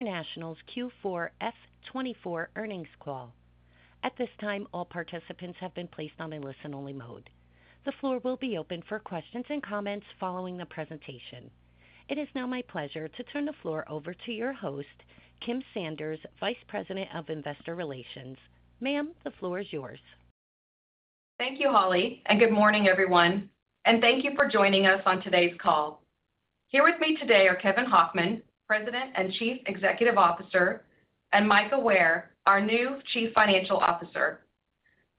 International's Q4 F 2024 earnings call. At this time, all participants have been placed on a listen-only mode. The floor will be open for questions and comments following the presentation. It is now my pleasure to turn the floor over to your host, Kim Sanders, Vice President of Investor Relations. Ma'am, the floor is yours. Thank you, Holly, and good morning, everyone, and thank you for joining us on today's call. Here with me today are Kevin Hochman, President and Chief Executive Officer, and Mika Ware, our new Chief Financial Officer.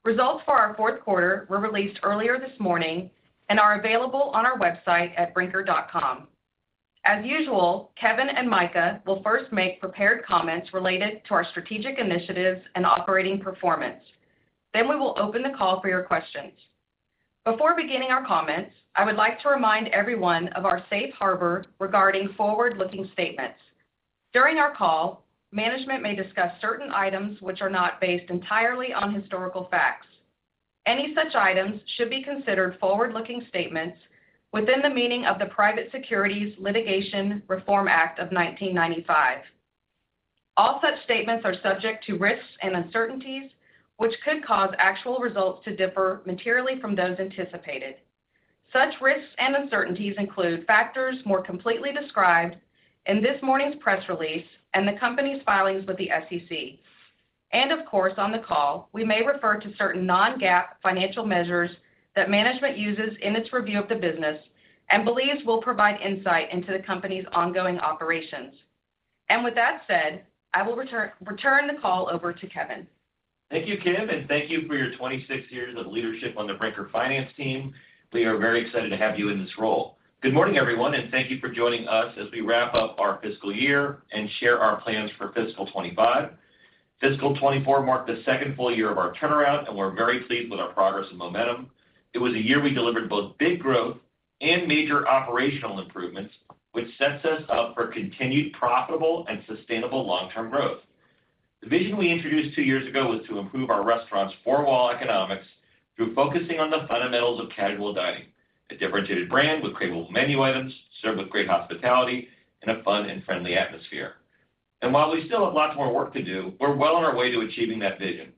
Results for our fourth quarter were released earlier this morning and are available on our website at brinker.com. As usual, Kevin and Mika will first make prepared comments related to our strategic initiatives and operating performance. Then we will open the call for your questions. Before beginning our comments, I would like to remind everyone of our safe harbor regarding forward-looking statements. During our call, management may discuss certain items which are not based entirely on historical facts. Any such items should be considered forward-looking statements within the meaning of the Private Securities Litigation Reform Act of 1995. All such statements are subject to risks and uncertainties, which could cause actual results to differ materially from those anticipated. Such risks and uncertainties include factors more completely described in this morning's press release and the company's filings with the SEC. Of course, on the call, we may refer to certain non-GAAP financial measures that management uses in its review of the business and believes will provide insight into the company's ongoing operations. With that said, I will return the call over to Kevin. Thank you, Kim, and thank you for your 26 years of leadership on the Brinker finance team. We are very excited to have you in this role. Good morning, everyone, and thank you for joining us as we wrap up our fiscal year and share our plans for fiscal 2025. Fiscal 2024 marked the second full year of our turnaround, and we're very pleased with our progress and momentum. It was a year we delivered both big growth and major operational improvements, which sets us up for continued profitable and sustainable long-term growth. The vision we introduced two years ago was to improve our restaurant's four-wall economics through focusing on the fundamentals of casual dining, a differentiated brand with craveable menu items, served with great hospitality and a fun and friendly atmosphere. While we still have lots more work to do, we're well on our way to achieving that vision.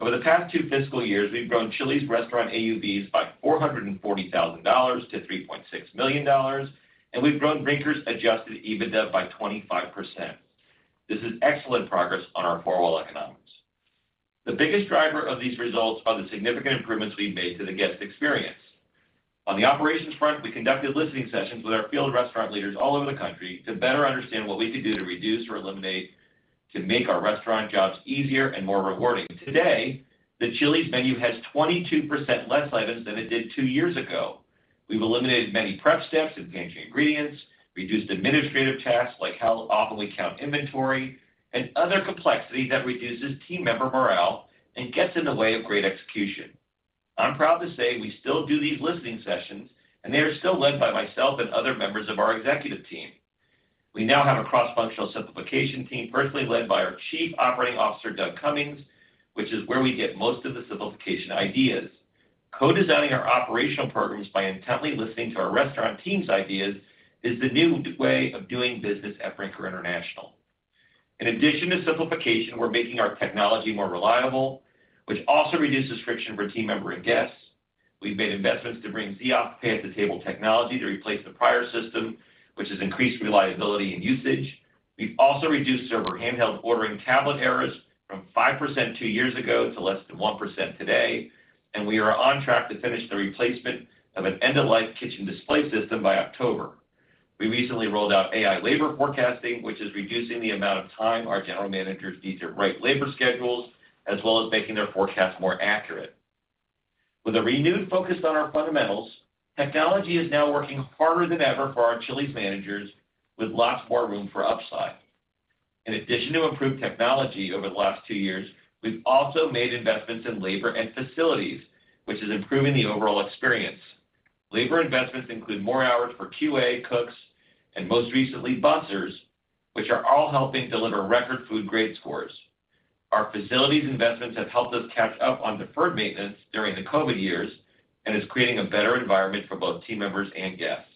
Over the past two fiscal years, we've grown Chili's restaurant AUVs by $440,000 to $3.6 million, and we've grown Brinker's Adjusted EBITDA by 25%. This is excellent progress on our four-wall economics. The biggest driver of these results are the significant improvements we've made to the guest experience. On the operations front, we conducted listening sessions with our field restaurant leaders all over the country to better understand what we could do to reduce or eliminate, to make our restaurant jobs easier and more rewarding. Today, the Chili's menu has 22% less items than it did two years ago. We've eliminated many prep steps and changing ingredients, reduced administrative tasks like how often we count inventory, and other complexities that reduces team member morale and gets in the way of great execution. I'm proud to say we still do these listening sessions, and they are still led by myself and other members of our executive team. We now have a cross-functional simplification team, personally led by our Chief Operating Officer, Doug Comings, which is where we get most of the simplification ideas. Co-designing our operational programs by intently listening to our restaurant team's ideas is the new way of doing business at Brinker International. In addition to simplification, we're making our technology more reliable, which also reduces friction for team member and guests. We've made investments to bring Ziosk pay at the table technology to replace the prior system, which has increased reliability and usage. We've also reduced server handheld ordering tablet errors from 5% two years ago to less than 1% today, and we are on track to finish the replacement of an end-of-life kitchen display system by October. We recently rolled out AI labor forecasting, which is reducing the amount of time our general managers need to write labor schedules, as well as making their forecasts more accurate. With a renewed focus on our fundamentals, technology is now working harder than ever for our Chili's managers, with lots more room for upside. In addition to improved technology over the last two years, we've also made investments in labor and facilities, which is improving the overall experience. Labor investments include more hours for QA, cooks, and most recently, bussers, which are all helping deliver record food grade scores. Our facilities investments have helped us catch up on deferred maintenance during the COVID years and is creating a better environment for both team members and guests.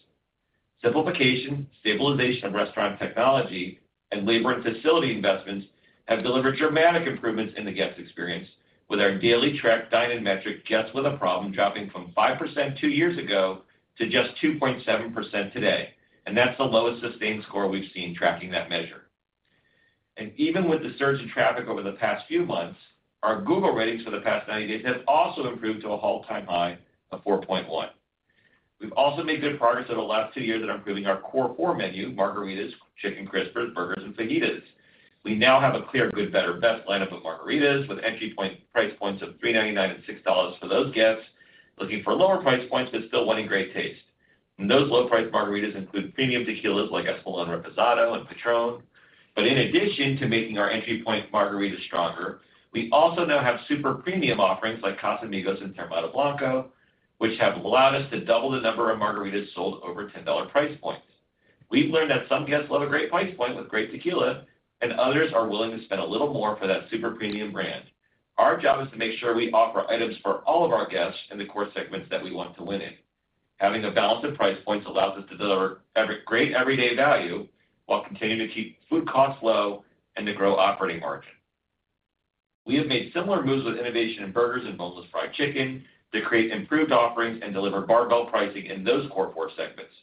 Simplification, stabilization of restaurant technology, and labor and facility investments have delivered dramatic improvements in the guest experience, with our daily tracked dine-in metric guests with a problem dropping from 5% two years ago to just 2.7% today, and that's the lowest sustained score we've seen tracking that measure. Even with the surge in traffic over the past few months, our Google ratings for the past 90 days have also improved to an all-time high of 4.1. We've also made good progress over the last two years in improving our core four menu, margaritas, chicken crispers, burgers, and fajitas. We now have a clear, good, better, best lineup of margaritas, with entry point price points of $3.99 and $6 for those guests looking for lower price points, but still wanting great taste. And those low-priced margaritas include premium tequilas like Espolòn Reposado and Patrón. But in addition to making our entry point margaritas stronger, we also now have super premium offerings like Casamigos and Teremana Blanco, which have allowed us to double the number of margaritas sold over $10 price points. We've learned that some guests love a great price point with great tequila, and others are willing to spend a little more for that super premium brand. Our job is to make sure we offer items for all of our guests in the core segments that we want to win in.... Having a balance of price points allows us to deliver every great everyday value while continuing to keep food costs low and to grow operating margin. We have made similar moves with innovation in burgers and boneless fried chicken to create improved offerings and deliver barbell pricing in those core four segments.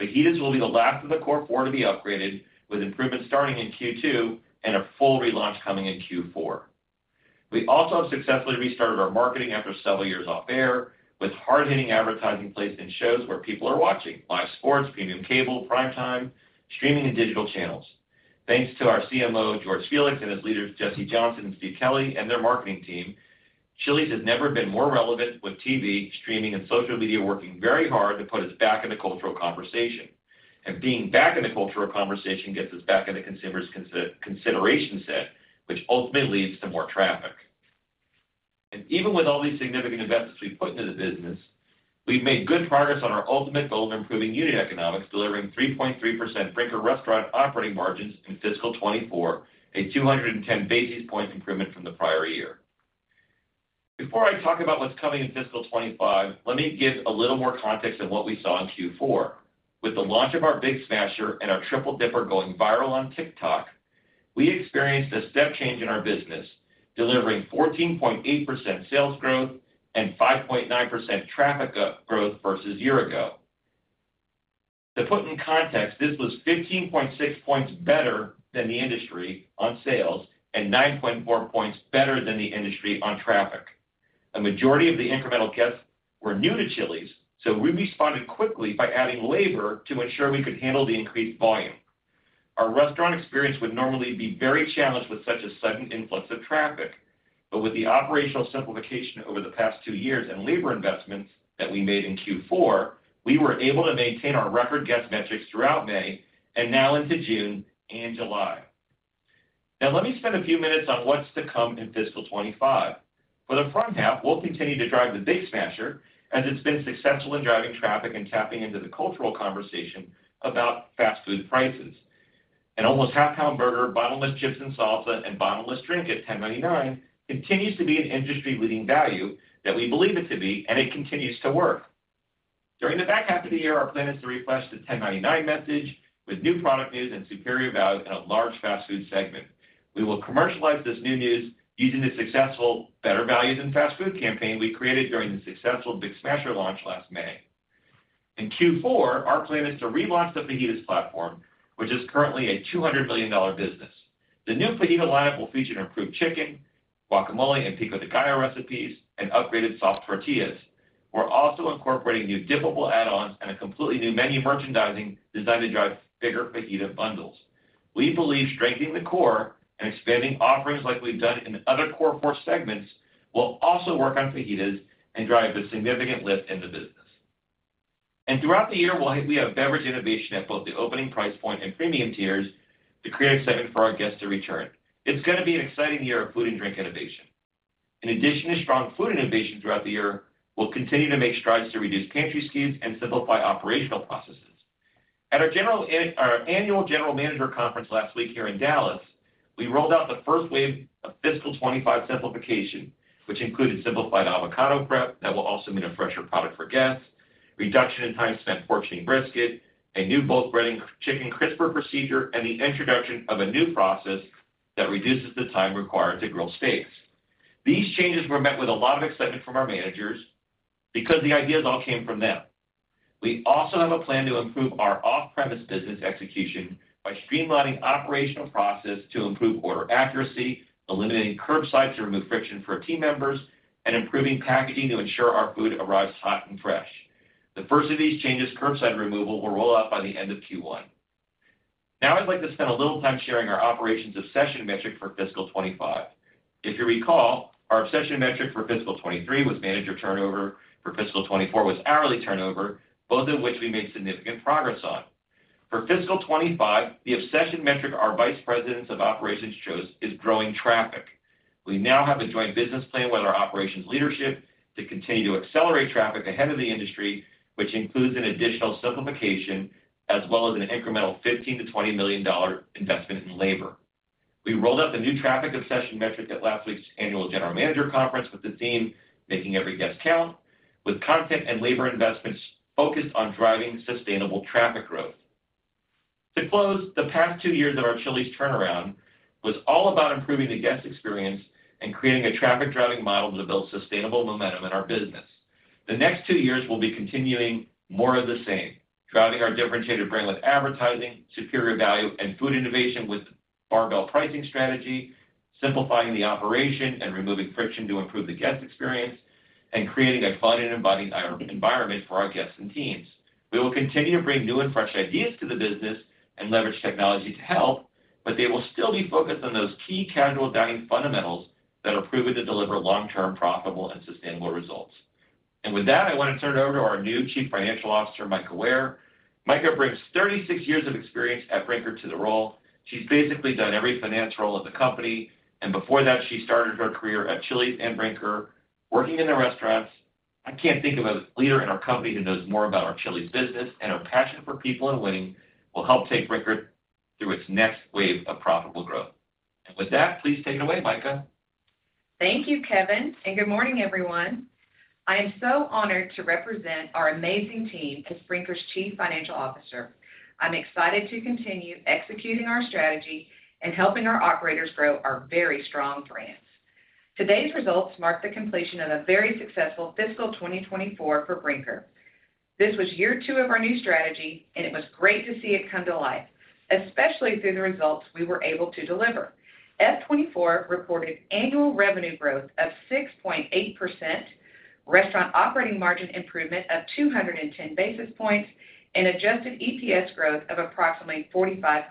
Fajitas will be the last of the core four to be upgraded, with improvements starting in Q2 and a full relaunch coming in Q4. We also have successfully restarted our marketing after several years off air, with hard-hitting advertising placed in shows where people are watching, live sports, premium cable, prime time, streaming, and digital channels. Thanks to our CMO, George Felix, and his leaders, Jesse Johnson, Steve Kelly, and their marketing team, Chili's has never been more relevant, with TV, streaming, and social media working very hard to put us back in the cultural conversation. Being back in the cultural conversation gets us back in the consumer's consideration set, which ultimately leads to more traffic. Even with all these significant investments we've put into the business, we've made good progress on our ultimate goal of improving unit economics, delivering 3.3% Brinker restaurant operating margins in fiscal 2024, a 210 basis point improvement from the prior year. Before I talk about what's coming in fiscal 2025, let me give a little more context on what we saw in Q4. With the launch of our Big Smasher and our Triple Dipper going viral on TikTok, we experienced a step change in our business, delivering 14.8% sales growth and 5.9% traffic growth versus year ago. To put in context, this was 15.6 points better than the industry on sales and 9.4 points better than the industry on traffic. A majority of the incremental guests were new to Chili's, so we responded quickly by adding labor to ensure we could handle the increased volume. Our restaurant experience would normally be very challenged with such a sudden influx of traffic, but with the operational simplification over the past two years and labor investments that we made in Q4, we were able to maintain our record guest metrics throughout May and now into June and July. Now, let me spend a few minutes on what's to come in fiscal 2025. For the front half, we'll continue to drive the Big Smasher, as it's been successful in driving traffic and tapping into the cultural conversation about fast food prices. An almost half-pound burger, bottomless chips and salsa, and bottomless drink at $10.99 continues to be an industry-leading value that we believe it to be, and it continues to work. During the back half of the year, our plan is to refresh the $10.99 message with new product news and superior value in a large fast food segment. We will commercialize this new news using the successful Better Values in Fast Food campaign we created during the successful Big Smasher launch last May. In Q4, our plan is to relaunch the fajitas platform, which is currently a $200 million business. The new fajita line will feature an improved chicken, guacamole, and pico de gallo recipes, and upgraded soft tortillas. We're also incorporating new dippable add-ons and a completely new menu merchandising designed to drive bigger fajita bundles. We believe strengthening the core and expanding offerings like we've done in other core four segments will also work on fajitas and drive a significant lift in the business. Throughout the year, we'll have beverage innovation at both the opening price point and premium tiers to create excitement for our guests to return. It's gonna be an exciting year of food and drink innovation. In addition to strong food innovation throughout the year, we'll continue to make strides to reduce pantry SKUs and simplify operational processes. At our annual general manager conference last week here in Dallas, we rolled out the first wave of fiscal 2025 simplification, which included simplified avocado prep that will also mean a fresher product for guests, reduction in time spent portioning brisket, a new both breading chicken crisper procedure, and the introduction of a new process that reduces the time required to grill steaks. These changes were met with a lot of excitement from our managers because the ideas all came from them. We also have a plan to improve our off-premise business execution by streamlining operational process to improve order accuracy, eliminating curbside to remove friction for team members, and improving packaging to ensure our food arrives hot and fresh. The first of these changes, curbside removal, will roll out by the end of Q1. Now, I'd like to spend a little time sharing our operations obsession metric for fiscal 2025. If you recall, our obsession metric for fiscal 2023 was manager turnover, for fiscal 2024 was hourly turnover, both of which we made significant progress on. For fiscal 2025, the obsession metric our vice presidents of operations chose is growing traffic. We now have a joint business plan with our operations leadership to continue to accelerate traffic ahead of the industry, which includes an additional simplification as well as an incremental $15 million-$20 million investment in labor. We rolled out the new traffic obsession metric at last week's annual general manager conference, with the theme, "Making Every Guest Count," with content and labor investments focused on driving sustainable traffic growth. To close, the past two years of our Chili's turnaround was all about improving the guest experience and creating a traffic-driving model to build sustainable momentum in our business. The next two years will be continuing more of the same, driving our differentiated brand with advertising, superior value, and food innovation with barbell pricing strategy, simplifying the operation and removing friction to improve the guest experience, and creating a fun and inviting environment for our guests and teams. We will continue to bring new and fresh ideas to the business and leverage technology to help, but they will still be focused on those key casual dining fundamentals that are proven to deliver long-term, profitable, and sustainable results. With that, I want to turn it over to our new Chief Financial Officer, Mika Ware. Mika brings 36 years of experience at Brinker to the role. She's basically done every finance role at the company, and before that, she started her career at Chili's and Brinker, working in the restaurants. I can't think of a leader in our company who knows more about our Chili's business, and her passion for people and winning will help take Brinker through its next wave of profitable growth. And with that, please take it away, Mika. Thank you, Kevin, and good morning, everyone. I am so honored to represent our amazing team as Brinker's Chief Financial Officer. I'm excited to continue executing our strategy and helping our operators grow our very strong brands. Today's results mark the completion of a very successful fiscal 2024 for Brinker. This was year two of our new strategy, and it was great to see it come to life, especially through the results we were able to deliver. F 2024 reported annual revenue growth of 6.8%, restaurant operating margin improvement of 210 basis points, and adjusted EPS growth of approximately 45%.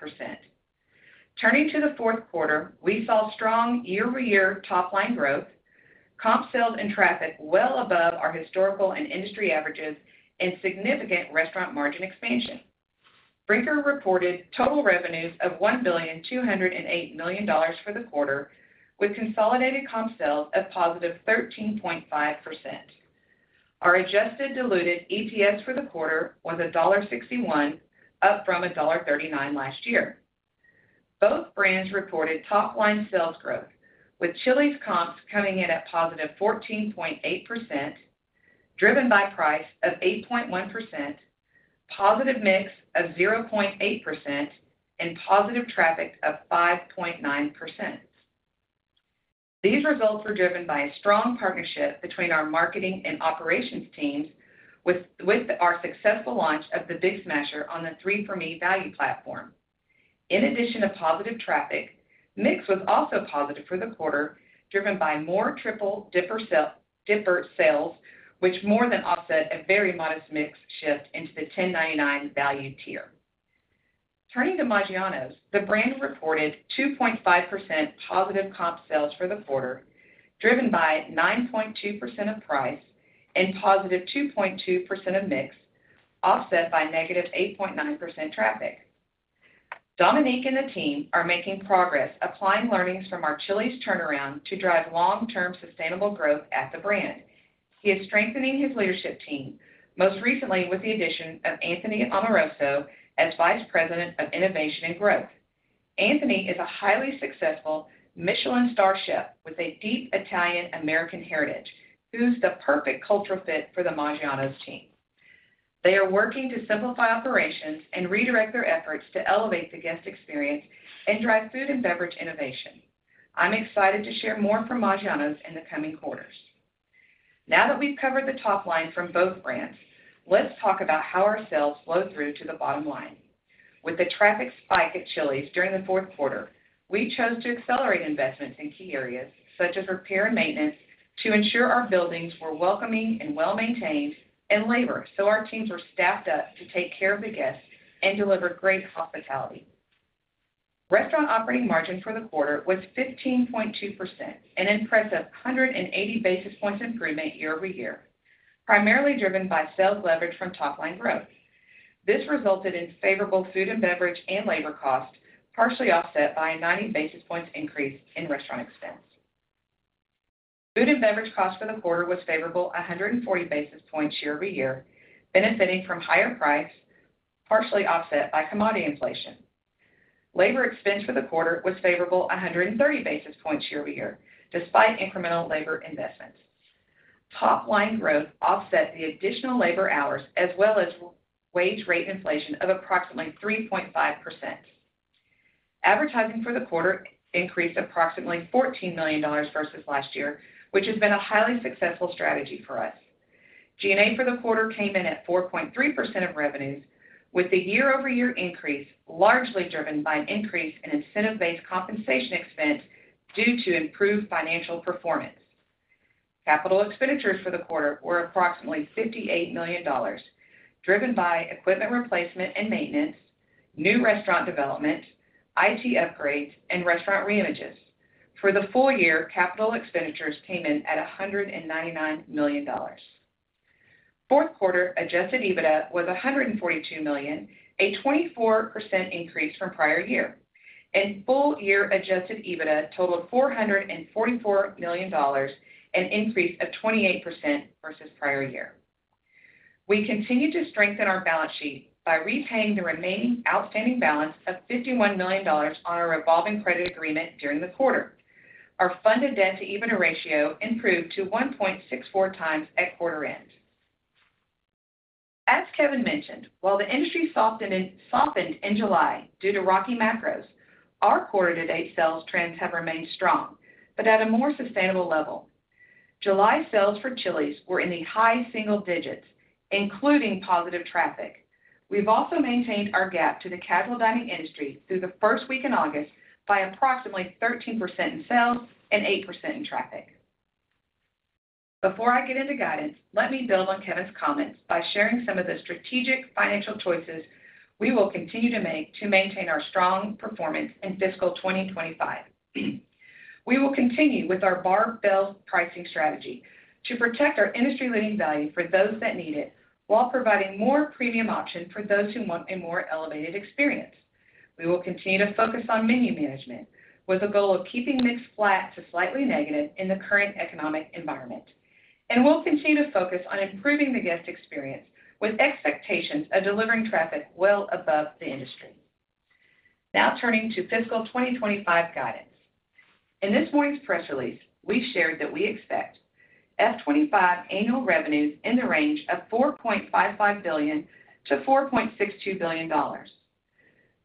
Turning to the fourth quarter, we saw strong year-over-year top-line growth, comp sales and traffic well above our historical and industry averages, and significant restaurant margin expansion. Brinker reported total revenues of $1, 208 billion for the quarter, with consolidated comp sales of +13.5%. Our adjusted diluted EPS for the quarter was $1.61, up from $1.39 last year. Both brands reported top-line sales growth, with Chili's comps coming in at +14.8%, driven by price of 8.1%, positive mix of 0.8%, and positive traffic of 5.9%. These results were driven by a strong partnership between our marketing and operations teams, with our successful launch of the Big Smasher on the 3 for Me value platform. In addition to positive traffic, mix was also positive for the quarter, driven by more Triple Dipper sales, which more than offset a very modest mix shift into the $10.99 value tier. Turning to Maggiano's, the brand reported 2.5% positive comp sales for the quarter, driven by 9.2% of price and positive 2.2% of mix, offset by -8.9% traffic. Dominique and the team are making progress applying learnings from our Chili's turnaround to drive long-term sustainable growth at the brand. He is strengthening his leadership team, most recently with the addition of Anthony Amoroso as Vice President of Innovation and Growth. Anthony is a highly successful Michelin star chef with a deep Italian American heritage, who's the perfect cultural fit for the Maggiano's team. They are working to simplify operations and redirect their efforts to elevate the guest experience and drive food and beverage innovation. I'm excited to share more from Maggiano's in the coming quarters. Now that we've covered the top line from both brands, let's talk about how our sales flow through to the bottom line. With the traffic spike at Chili's during the fourth quarter, we chose to accelerate investments in key areas such as repair and maintenance, to ensure our buildings were welcoming and well-maintained, and labor, so our teams were staffed up to take care of the guests and deliver great hospitality. Restaurant operating margin for the quarter was 15.2%, an impressive 180 basis points improvement year-over-year, primarily driven by sales leverage from top-line growth. This resulted in favorable food and beverage and labor costs, partially offset by a 90 basis points increase in restaurant expense. Food and beverage cost for the quarter was favorable a 140 basis points year-over-year, benefiting from higher price, partially offset by commodity inflation. Labor expense for the quarter was favorable 100 basis points year-over-year, despite incremental labor investments. Top-line growth offset the additional labor hours as well as wage rate inflation of approximately 3.5%. Advertising for the quarter increased approximately $14 million versus last year, which has been a highly successful strategy for us. G&A for the quarter came in at 4.3% of revenues, with the year-over-year increase largely driven by an increase in incentive-based compensation expense due to improved financial performance. Capital expenditures for the quarter were approximately $58 million, driven by equipment replacement and maintenance, new restaurant development, IT upgrades, and restaurant reimages. For the full year, capital expenditures came in at $199 million. Fourth quarter Adjusted EBITDA was $142 million, a 24% increase from prior year, and full year Adjusted EBITDA totaled $444 million, an increase of 28% versus prior year. We continue to strengthen our balance sheet by repaying the remaining outstanding balance of $51 million on our revolving credit agreement during the quarter. Our funded debt to EBITDA ratio improved to 1.64x at quarter end. As Kevin mentioned, while the industry softened in July due to rocky macros, our quarter-to-date sales trends have remained strong, but at a more sustainable level. July sales for Chili's were in the high single digits, including positive traffic. We've also maintained our gap to the casual dining industry through the first week in August by approximately 13% in sales and 8% in traffic. Before I get into guidance, let me build on Kevin's comments by sharing some of the strategic financial choices we will continue to make to maintain our strong performance in fiscal 2025. We will continue with our barbell pricing strategy to protect our industry-leading value for those that need it, while providing more premium option for those who want a more elevated experience. We will continue to focus on menu management, with a goal of keeping mix flat to slightly negative in the current economic environment. We'll continue to focus on improving the guest experience, with expectations of delivering traffic well above the industry. Now turning to fiscal 2025 guidance. In this morning's press release, we shared that we expect F 2025 annual revenues in the range of $4.55 billion-$4.62 billion.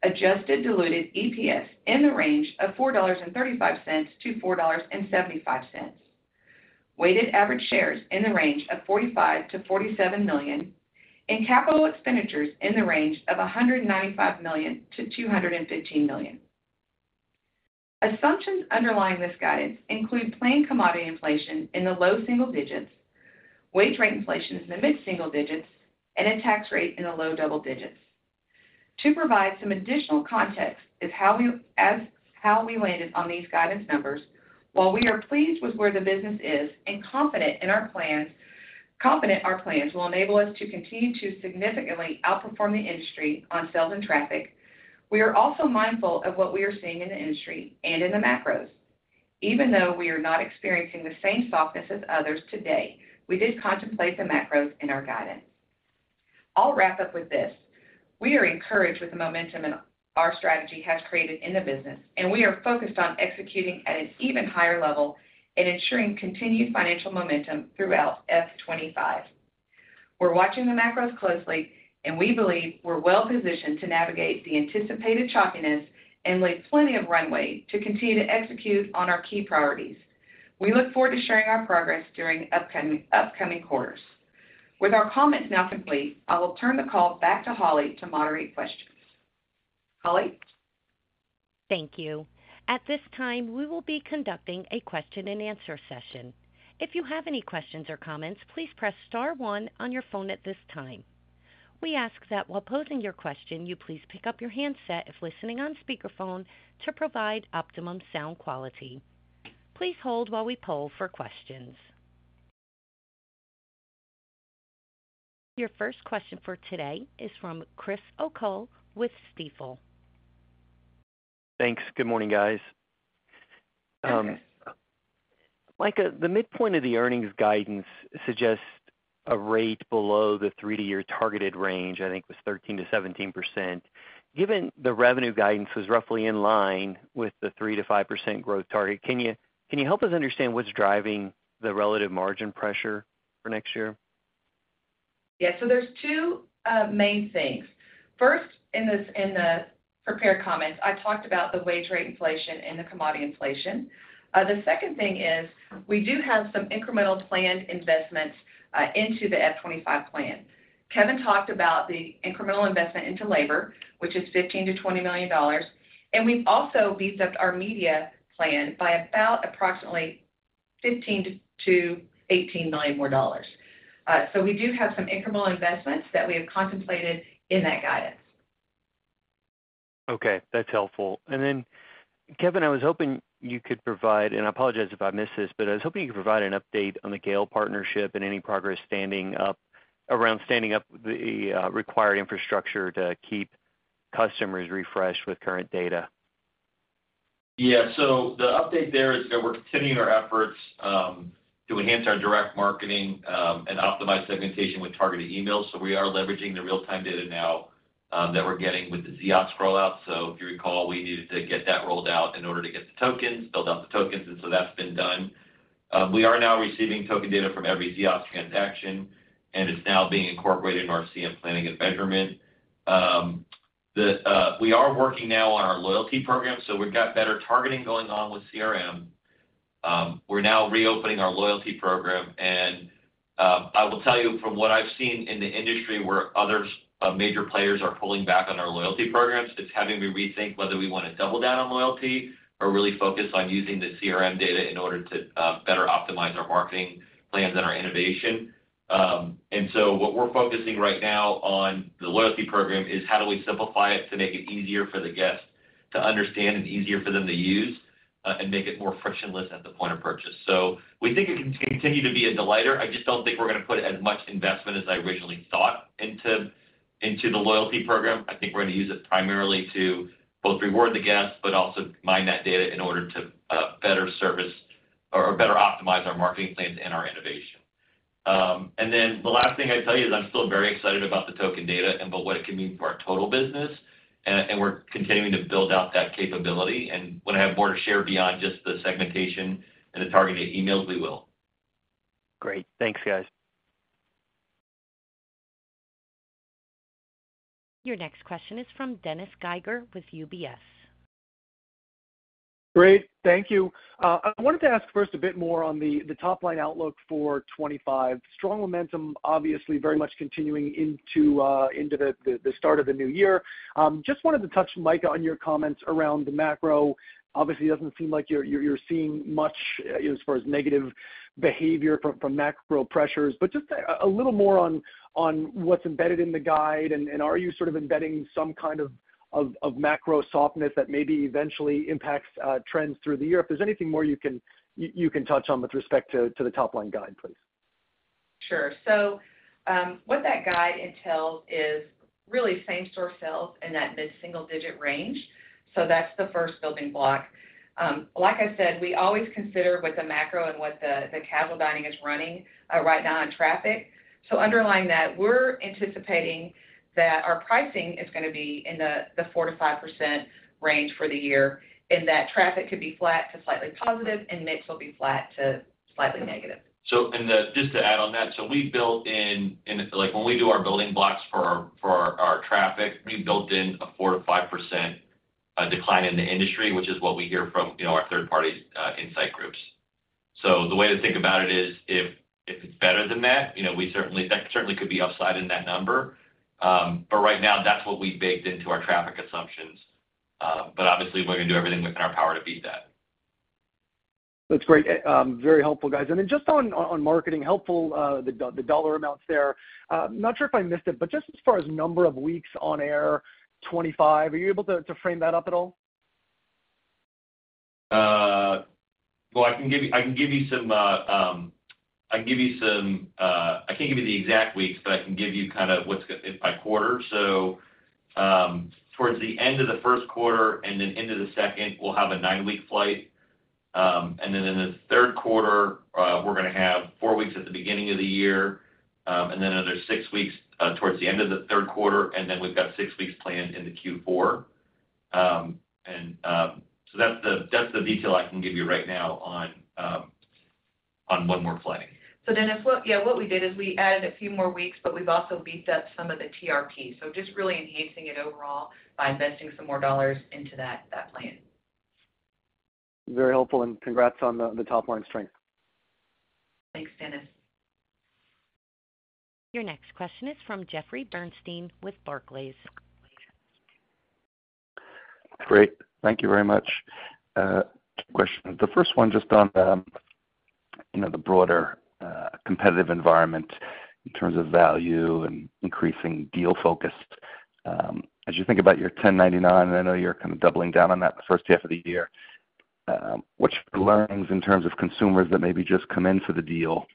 Adjusted diluted EPS in the range of $4.35-$4.75. Weighted average shares in the range of $45 million-$47 million, and capital expenditures in the range of $195 million-$215 million. Assumptions underlying this guidance include planned commodity inflation in the low single digits, wage rate inflation in the mid-single digits, and a tax rate in the low double digits. To provide some additional context as to how we landed on these guidance numbers, while we are pleased with where the business is and confident our plans will enable us to continue to significantly outperform the industry on sales and traffic, we are also mindful of what we are seeing in the industry and in the macros. Even though we are not experiencing the same softness as others today, we did contemplate the macros in our guidance. I'll wrap up with this: We are encouraged with the momentum that our strategy has created in the business, and we are focused on executing at an even higher level and ensuring continued financial momentum throughout F 2025. We're watching the macros closely, and we believe we're well positioned to navigate the anticipated choppiness and with plenty of runway to continue to execute on our key priorities. We look forward to sharing our progress during upcoming, upcoming quarters. With our comments now complete, I will turn the call back to Holly to moderate questions. Holly? Thank you. At this time, we will be conducting a question-and-answer session. If you have any questions or comments, please press star one on your phone at this time. We ask that while posing your question, you please pick up your handset if listening on speakerphone to provide optimum sound quality. Please hold while we poll for questions. Your first question for today is from Chris O'Cull with Stifel. Thanks. Good morning, guys. Mika, the midpoint of the earnings guidance suggests a rate below the three-year targeted range, I think was 13%-17%. Given the revenue guidance was roughly in line with the 3%-5% growth target, can you, can you help us understand what's driving the relative margin pressure for next year? Yeah, so there's two main things. First, in this, in the prepared comments, I talked about the wage rate inflation and the commodity inflation. The second thing is we do have some incremental planned investments into the F 2025 plan. Kevin talked about the incremental investment into labor, which is $15 million-$20 million, and we've also beefed up our media plan by about approximately $15 million-$18 million more. So we do have some incremental investments that we have contemplated in that guidance. Okay, that's helpful. And then, Kevin, I was hoping you could provide, and I apologize if I missed this, but I was hoping you could provide an update on the Gale partnership and any progress standing up, around standing up the required infrastructure to keep customers refreshed with current data. Yeah, so the update there is that we're continuing our efforts to enhance our direct marketing and optimize segmentation with targeted emails. So we are leveraging the real-time data now that we're getting with the Ziosk rollout. So if you recall, we needed to get that rolled out in order to get the tokens, build out the tokens, and so that's been done. We are now receiving token data from every Ziosk transaction, and it's now being incorporated into our CRM planning and measurement. We are working now on our loyalty program, so we've got better targeting going on with CRM. We're now reopening our loyalty program, and I will tell you from what I've seen in the industry where other major players are pulling back on our loyalty programs, it's having me rethink whether we want to double down on loyalty or really focus on using the CRM data in order to better optimize our marketing plans and our innovation. And so what we're focusing right now on the loyalty program is how do we simplify it to make it easier for the guests to understand and easier for them to use, and make it more frictionless at the point of purchase. So we think it can continue to be a delighter. I just don't think we're gonna put as much investment as I originally thought into, into the loyalty program. I think we're gonna use it primarily to both reward the guests, but also mine that data in order to better service or better optimize our marketing plans and our innovation. And then the last thing I'd tell you is I'm still very excited about the token data and about what it can mean for our total business, and we're continuing to build out that capability. And when I have more to share beyond just the segmentation and the targeted emails, we will. Great. Thanks, guys. Your next question is from Dennis Geiger with UBS. Great. Thank you. I wanted to ask first a bit more on the top line outlook for 2025. Strong momentum, obviously, very much continuing into the start of the new year. Just wanted to touch, Mika, on your comments around the macro. Obviously, it doesn't seem like you're seeing much as far as negative behavior from macro pressures, but just a little more on what's embedded in the guide. And are you sort of embedding some kind of macro softness that maybe eventually impacts trends through the year? If there's anything more you can touch on with respect to the top line guide, please. Sure. So, what that guide entails is really same-store sales in that mid-single digit range. So that's the first building block. Like I said, we always consider what the macro and what the casual dining is running right now on traffic. So underlying that, we're anticipating that our pricing is gonna be in the 4%-5% range for the year, and that traffic could be flat to slightly positive, and mix will be flat to slightly negative. Just to add on that, so we built in, like, when we do our building blocks for our traffic, we built in a 4%-5% decline in the industry, which is what we hear from, you know, our third-party insight groups. So the way to think about it is, if it's better than that, you know, we certainly that certainly could be upside in that number. But right now, that's what we baked into our traffic assumptions. But obviously, we're gonna do everything within our power to beat that. That's great. Very helpful, guys. And then just on marketing, helpful, the dollar amounts there. Not sure if I missed it, but just as far as number of weeks on air, 2025, are you able to frame that up at all? Well, I can give you some. I can't give you the exact weeks, but I can give you kind of what's go- by quarter. So, towards the end of the first quarter and then into the second, we'll have a nine-week flight. And then in the third quarter, we're gonna have four weeks at the beginning of the year, and then another six weeks towards the end of the third quarter, and then we've got six weeks planned into Q4. So that's the detail I can give you right now on what we're planning. So, Dennis, what, yeah, what we did is we added a few more weeks, but we've also beefed up some of the TRP. So just really enhancing it overall by investing some more dollars into that, that plan. Very helpful, and congrats on the top-line strength. Thanks, Dennis. Your next question is from Jeffrey Bernstein with Barclays. Great. Thank you very much. Two questions. The first one, just on, you know, the broader competitive environment in terms of value and increasing deal focus. As you think about your $10.99, and I know you're kind of doubling down on that in the first half of the year, what you're learning in terms of consumers that maybe just come in for the deal?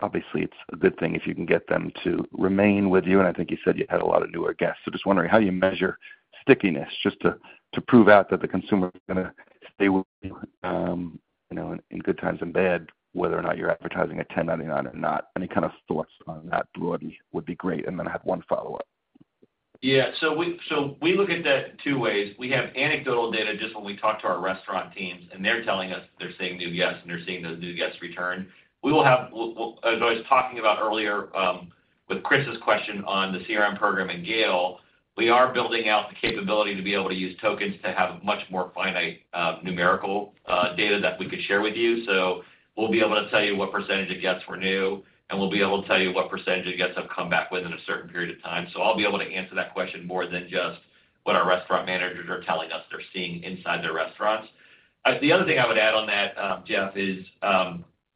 Obviously, it's a good thing if you can get them to remain with you, and I think you said you had a lot of newer guests. So just wondering how you measure stickiness, just to, to prove out that the consumer is gonna stay with you, you know, in good times and bad, whether or not you're advertising at $10.99 or not. Any kind of thoughts on that broadly would be great, and then I have one follow-up. Yeah. So we look at that two ways. We have anecdotal data, just when we talk to our restaurant teams, and they're telling us they're seeing new guests, and they're seeing those new guests return. We will have – as I was talking about earlier, with Chris's question on the CRM program and Gale, we are building out the capability to be able to use tokens to have much more finite numerical data that we could share with you. So we'll be able to tell you what percentage of guests were new, and we'll be able to tell you what percentage of guests have come back within a certain period of time. So I'll be able to answer that question more than just what our restaurant managers are telling us they're seeing inside their restaurants. The other thing I would add on that, Jeff, is,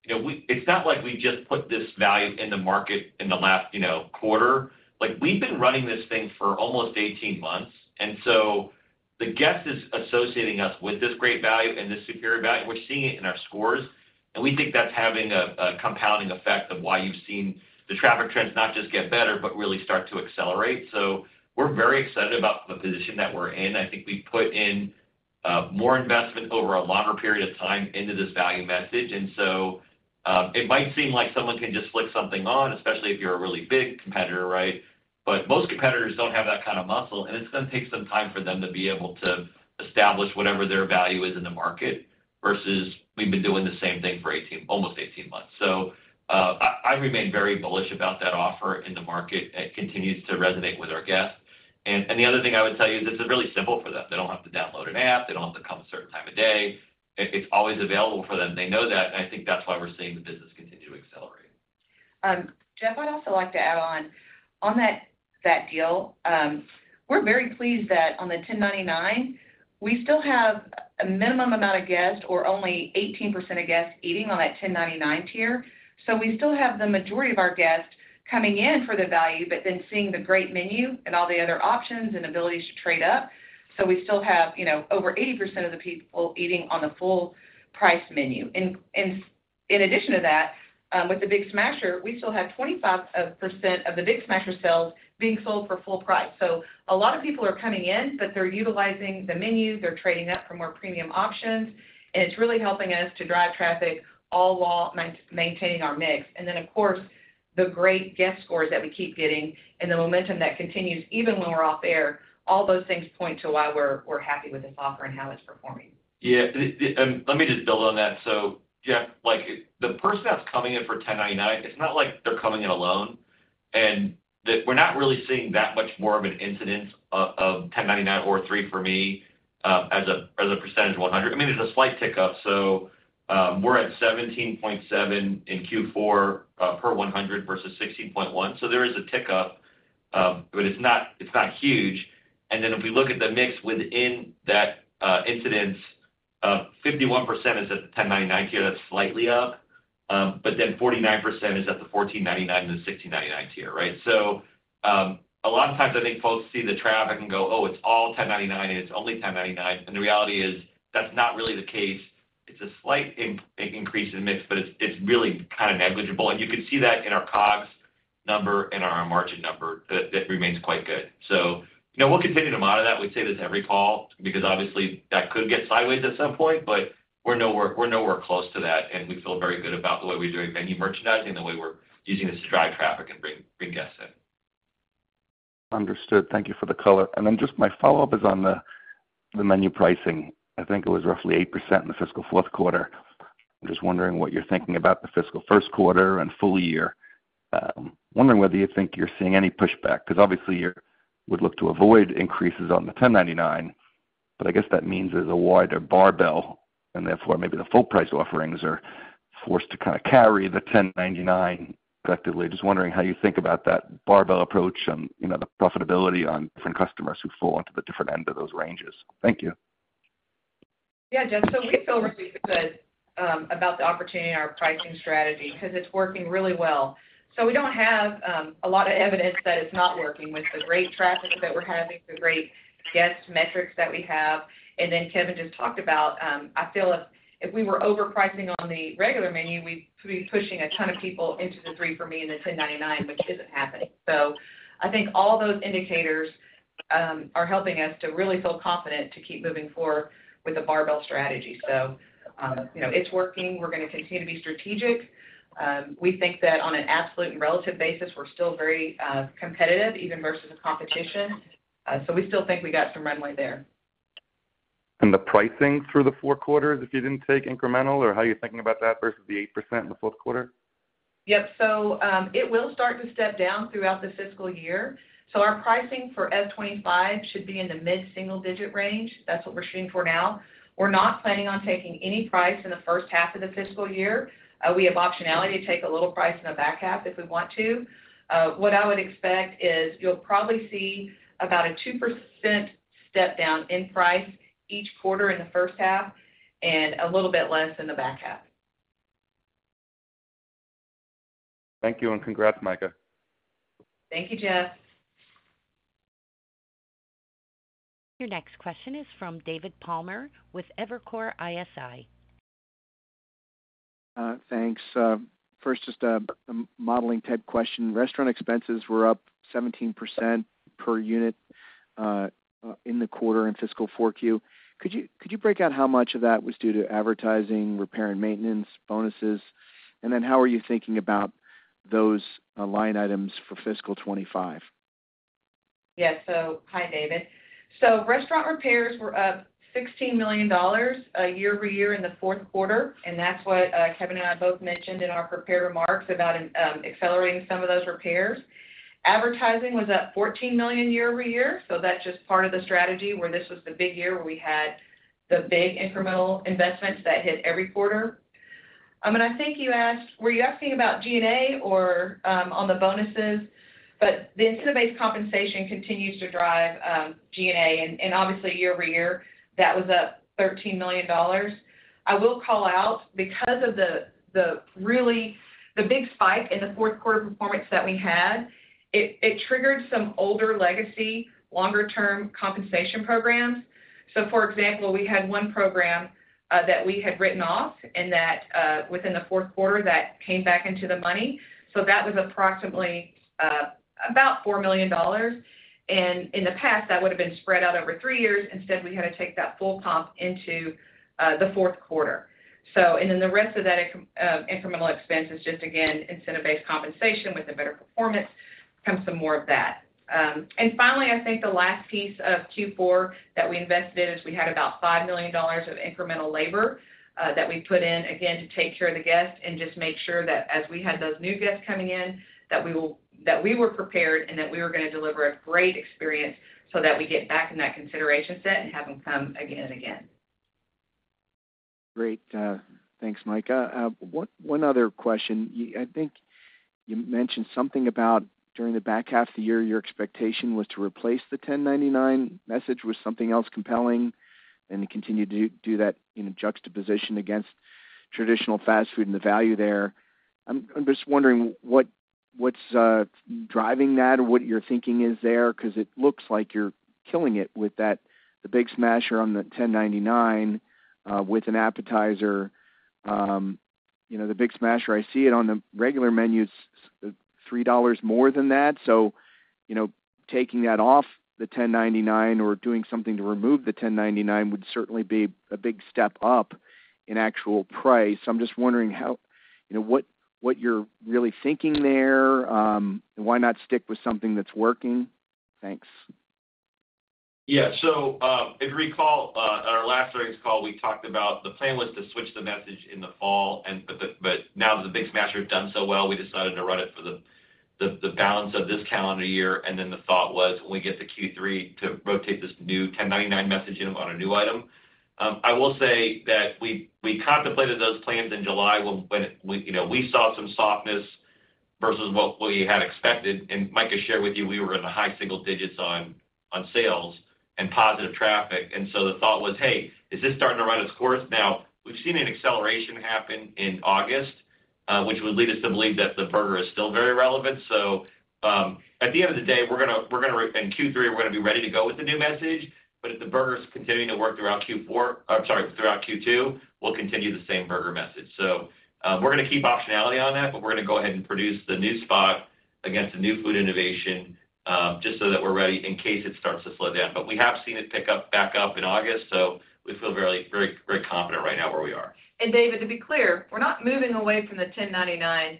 you know, it's not like we've just put this value in the market in the last, you know, quarter. Like, we've been running this thing for almost 18 months, and so the guest is associating us with this great value and this superior value. We're seeing it in our scores, and we think that's having a compounding effect of why you've seen the traffic trends not just get better, but really start to accelerate. So we're very excited about the position that we're in. I think we've put in more investment over a longer period of time into this value message, and so it might seem like someone can just flick something on, especially if you're a really big competitor, right? But most competitors don't have that kind of muscle, and it's gonna take some time for them to be able to establish whatever their value is in the market, versus we've been doing the same thing for 18, almost 18 months. So, I remain very bullish about that offer in the market. It continues to resonate with our guests. And the other thing I would tell you is it's really simple for them. They don't have to download an app. They don't have to come a certain time of day. It's always available for them. They know that, and I think that's why we're seeing the business continue to accelerate. Jeff, I'd also like to add on that deal, we're very pleased that on the $10.99, we still have a minimum amount of guests, or only 18% of guests eating on that $10.99 tier. So we still have the majority of our guests coming in for the value, but then seeing the great menu and all the other options and abilities to trade up. So we still have, you know, over 80% of the people eating on the full price menu. In addition to that, with the Big Smasher, we still have 25% of the Big Smasher sales being sold for full price. So a lot of people are coming in, but they're utilizing the menu. They're trading up for more premium options, and it's really helping us to drive traffic all while maintaining our mix. And then, of course, the great guest scores that we keep getting and the momentum that continues even when we're off air, all those things point to why we're happy with this offer and how it's performing. Yeah, and let me just build on that. So Jeff, like, the person that's coming in for $10.99, it's not like they're coming in alone, and we're not really seeing that much more of an incidence of $10.99 or 3 for Me, as a percentage of 100. I mean, there's a slight tick-up, so we're at $17.7 in Q4 per $100 versus $16.1. So there is a tick-up, but it's not huge. And then if we look at the mix within that incidence, 51% is at the $10.99 tier, that's slightly up. But then 49% is at the $14.99 and the $16.99 tier, right? So, a lot of times I think folks see the traffic and go, "Oh, it's all $10.99, and it's only $10.99." And the reality is, that's not really the case. It's a slight increase in mix, but it's, it's really kind of negligible. And you can see that in our COGS number and our margin number, that remains quite good. So, you know, we'll continue to monitor that. We say this every call, because obviously, that could get sideways at some point, but we're nowhere, we're nowhere close to that, and we feel very good about the way we're doing menu merchandising, the way we're using this to drive traffic and bring, bring guests in. Understood. Thank you for the color. And then just my follow-up is on the menu pricing. I think it was roughly 8% in the fiscal fourth quarter. I'm just wondering what you're thinking about the fiscal first quarter and full year. Wondering whether you think you're seeing any pushback, because obviously, would look to avoid increases on the $10.99, but I guess that means there's a wider barbell, and therefore, maybe the full price offerings are forced to kind of carry the $10.99 effectively. Just wondering how you think about that barbell approach and, you know, the profitability on different customers who fall onto the different end of those ranges. Thank you. Yeah, Jeff, so we feel really good about the opportunity in our pricing strategy because it's working really well. So we don't have a lot of evidence that it's not working with the great traffic that we're having, the great guest metrics that we have. And then Kevin just talked about, I feel if we were overpricing on the regular menu, we'd be pushing a ton of people into the 3 for Me and the $10.99, which isn't happening. So I think all those indicators are helping us to really feel confident to keep moving forward with the barbell strategy. So, you know, it's working. We're gonna continue to be strategic. We think that on an absolute and relative basis, we're still very competitive, even versus the competition. So we still think we got some runway there. The pricing for the four quarters, if you didn't take incremental, or how are you thinking about that versus the 8% in the fourth quarter? Yep. So, it will start to step down throughout the fiscal year. So our pricing for F 25 should be in the mid-single digit range. That's what we're shooting for now. We're not planning on taking any price in the first half of the fiscal year. We have optionality to take a little price in the back half if we want to. What I would expect is you'll probably see about a 2% step down in price each quarter in the first half and a little bit less in the back half. Thank you, and congrats, Mika. Thank you, Jeff. Your next question is from David Palmer with Evercore ISI. Thanks. First, just a modeling type question. Restaurant expenses were up 17% per unit in the quarter in fiscal 4Q. Could you break out how much of that was due to advertising, repair and maintenance, bonuses? And then how are you thinking about those line items for fiscal 2025? Yeah. So hi, David. So restaurant repairs were up $16 million year-over-year in the fourth quarter, and that's what Kevin and I both mentioned in our prepared remarks about accelerating some of those repairs. Advertising was up $14 million year-over-year, so that's just part of the strategy, where this was the big year where we had the big incremental investments that hit every quarter. And I think you asked. Were you asking about G&A or on the bonuses? But the incentive-based compensation continues to drive G&A, and obviously year-over-year, that was up $13 million. I will call out because of the really big spike in the fourth quarter performance that we had, it triggered some older legacy longer-term compensation programs. So, for example, we had one program that we had written off, and that, within the fourth quarter, that came back into the money. So that was approximately about $4 million. And in the past, that would've been spread out over three years. Instead, we had to take that full comp into the fourth quarter. So, and then the rest of that incremental expense is just, again, incentive-based compensation. With a better performance, comes some more of that. And finally, I think the last piece of Q4 that we invested in is we had about $5 million of incremental labor that we put in, again, to take care of the guests and just make sure that as we had those new guests coming in, that we were prepared and that we were gonna deliver a great experience so that we get back in that consideration set and have them come again and again. Great. Thanks, Mika. One other question. I think you mentioned something about during the back half of the year, your expectation was to replace the $10.99 message with something else compelling, and to continue to do that in juxtaposition against traditional fast food and the value there. I'm just wondering what's driving that or what your thinking is there, because it looks like you're killing it with that, the Big Smasher on the $10.99, with an appetizer. You know, the Big Smasher, I see it on the regular menu, it's $3 more than that. So, you know, taking that off the $10.99 or doing something to remove the $10.99 would certainly be a big step up in actual price. I'm just wondering how, you know, what, what you're really thinking there, and why not stick with something that's working? Thanks. Yeah. So, if you recall, on our last earnings call, we talked about the plan was to switch the message in the fall, but now that the Big Smasher has done so well, we decided to run it for the balance of this calendar year. And then the thought was when we get to Q3, to rotate this new $10.99 message in on a new item. I will say that we contemplated those plans in July, when we, you know, we saw some softness versus what we had expected. And Mika shared with you, we were in the high single digits on sales and positive traffic. And so the thought was, hey, is this starting to run its course? Now, we've seen an acceleration happen in August which would lead us to believe that the burger is still very relevant. So, at the end of the day, we're gonna in Q3, we're gonna be ready to go with the new message, but if the burger is continuing to work throughout Q4, I'm sorry, throughout Q2, we'll continue the same burger message. So, we're gonna keep optionality on that, but we're gonna go ahead and produce the new spot against the new food innovation, just so that we're ready in case it starts to slow down. But we have seen it pick up, back up in August, so we feel very, very, very confident right now where we are. David, to be clear, we're not moving away from the $10.99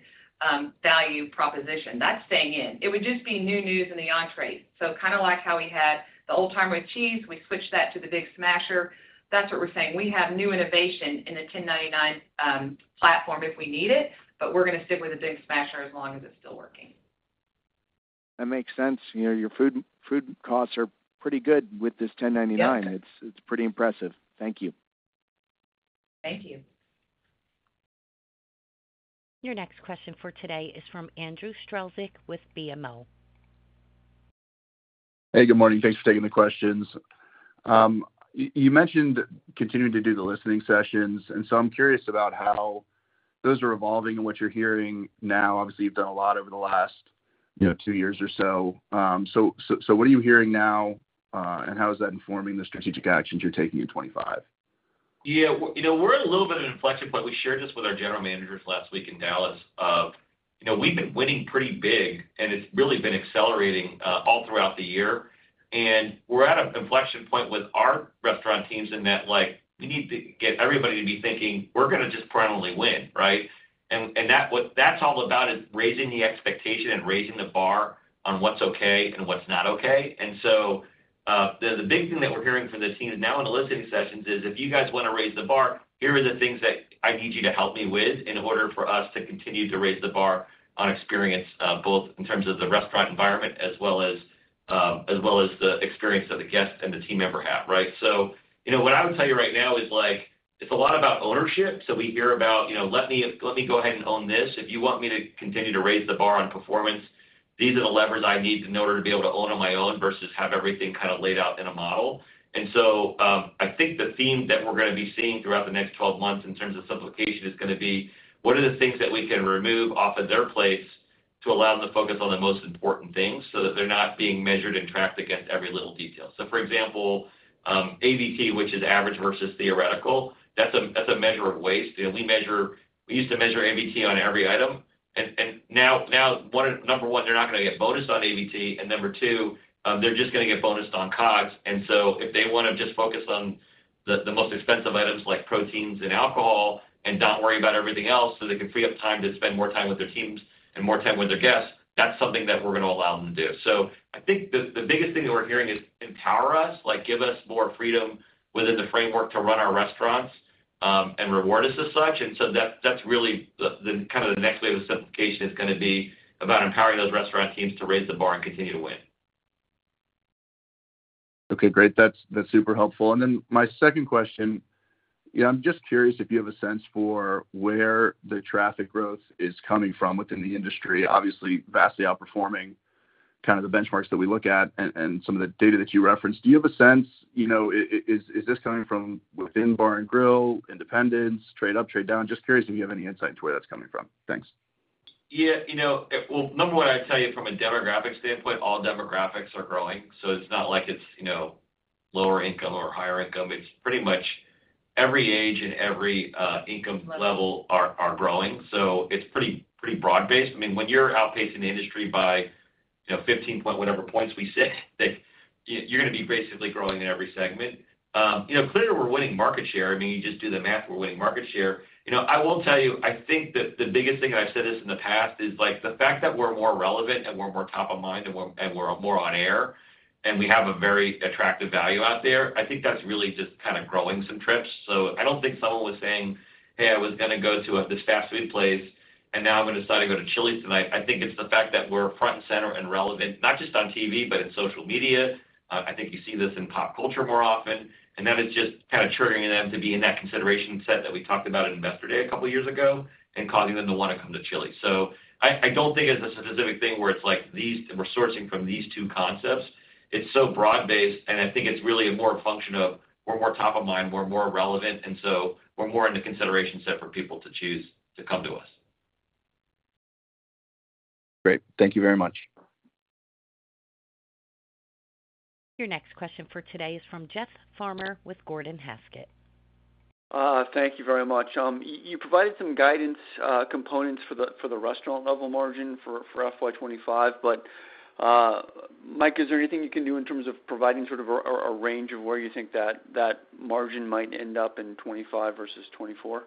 value proposition. That's staying in. It would just be new news in the entrée. Kind of like how we had the Old Timer with cheese, we switched that to the Big Smasher. That's what we're saying. We have new innovation in the $10.99, platform if we need it, but we're gonna stick with the Big Smasher as long as it's still working. That makes sense. You know, your food, food costs are pretty good with this $10.99. Yep. It's pretty impressive. Thank you. Thank you. Your next question for today is from Andrew Strelzik with BMO. Hey, good morning. Thanks for taking the questions. You mentioned continuing to do the listening sessions, and so I'm curious about how those are evolving and what you're hearing now. Obviously, you've done a lot over the last, you know, two years or so. So what are you hearing now, and how is that informing the strategic actions you're taking in 2025? Yeah, you know, we're at a little bit of an inflection point. We shared this with our general managers last week in Dallas of, you know, we've been winning pretty big, and it's really been accelerating all throughout the year. And we're at an inflection point with our restaurant teams in that, like, we need to get everybody to be thinking, we're gonna just permanently win, right? And that, what that's all about is raising the expectation and raising the bar on what's okay and what's not okay. And so, the big thing that we're hearing from the teams now in the listening sessions is, "If you guys wanna raise the bar, here are the things that I need you to help me with in order for us to continue to raise the bar on experience, both in terms of the restaurant environment as well as, as well as the experience that the guest and the team member have," right? So, you know, what I would tell you right now is, like, it's a lot about ownership. So we hear about, you know, "Let me go ahead and own this. If you want me to continue to raise the bar on performance, these are the levers I need in order to be able to own on my own versus have everything kind of laid out in a model." And so, I think the theme that we're gonna be seeing throughout the next 12 months in terms of simplification is gonna be, what are the things that we can remove off of their plates to allow them to focus on the most important things, so that they're not being measured and tracked against every little detail? So, for example, AVT, which is average versus theoretical, that's a measure of waste. You know, we measure, we used to measure AVT on every item, and now, number one, they're not gonna get bonused on AVT, and number two, they're just gonna get bonused on COGS. So if they wanna just focus on the most expensive items like proteins and alcohol and not worry about everything else, so they can free up time to spend more time with their teams and more time with their guests, that's something that we're gonna allow them to do. So I think the biggest thing that we're hearing is: Empower us, like, give us more freedom within the framework to run our restaurants, and reward us as such. And so that, that's really the kind of the next wave of simplification is gonna be about empowering those restaurant teams to raise the bar and continue to win. Okay, great. That's, that's super helpful. Then my second question, you know, I'm just curious if you have a sense for where the traffic growth is coming from within the industry. Obviously, vastly outperforming kind of the benchmarks that we look at and some of the data that you referenced. Do you have a sense, you know, is this coming from within bar and grill, independents, trade up, trade down? Just curious if you have any insight into where that's coming from. Thanks. Yeah, you know, well, number one, I'd tell you from a demographic standpoint, all demographics are growing, so it's not like it's, you know, lower income or higher income. It's pretty much every age and every, income level are growing. So it's pretty, pretty broad-based. I mean, when you're outpacing the industry by, you know, 15 point whatever points we say, like, you're gonna be basically growing in every segment. You know, clearly, we're winning market share. I mean, you just do the math, we're winning market share. You know, I will tell you, I think that the biggest thing, and I've said this in the past, is, like, the fact that we're more relevant and we're more top of mind, and we're, and we're more on air, and we have a very attractive value out there, I think that's really just kind of growing some trips. So I don't think someone was saying, "Hey, I was gonna go to this fast food place, and now I'm gonna decide to go to Chili's tonight." I think it's the fact that we're front and center and relevant, not just on TV, but in social media. I think you see this in pop culture more often, and that is just kind of triggering them to be in that consideration set that we talked about at Investor Day a couple of years ago and causing them to want to come to Chili's. So I don't think it's a specific thing where it's like, these-- we're sourcing from these two concepts. It's so broad-based, and I think it's really more a function of we're more top of mind, we're more relevant, and so we're more in the consideration set for people to choose to come to us. Great. Thank you very much. Your next question for today is from Jeff Farmer with Gordon Haskett. Thank you very much. You provided some guidance, components for the restaurant level margin for FY 2025, but, Mika, is there anything you can do in terms of providing sort of a range of where you think that margin might end up in 2025 versus 2024?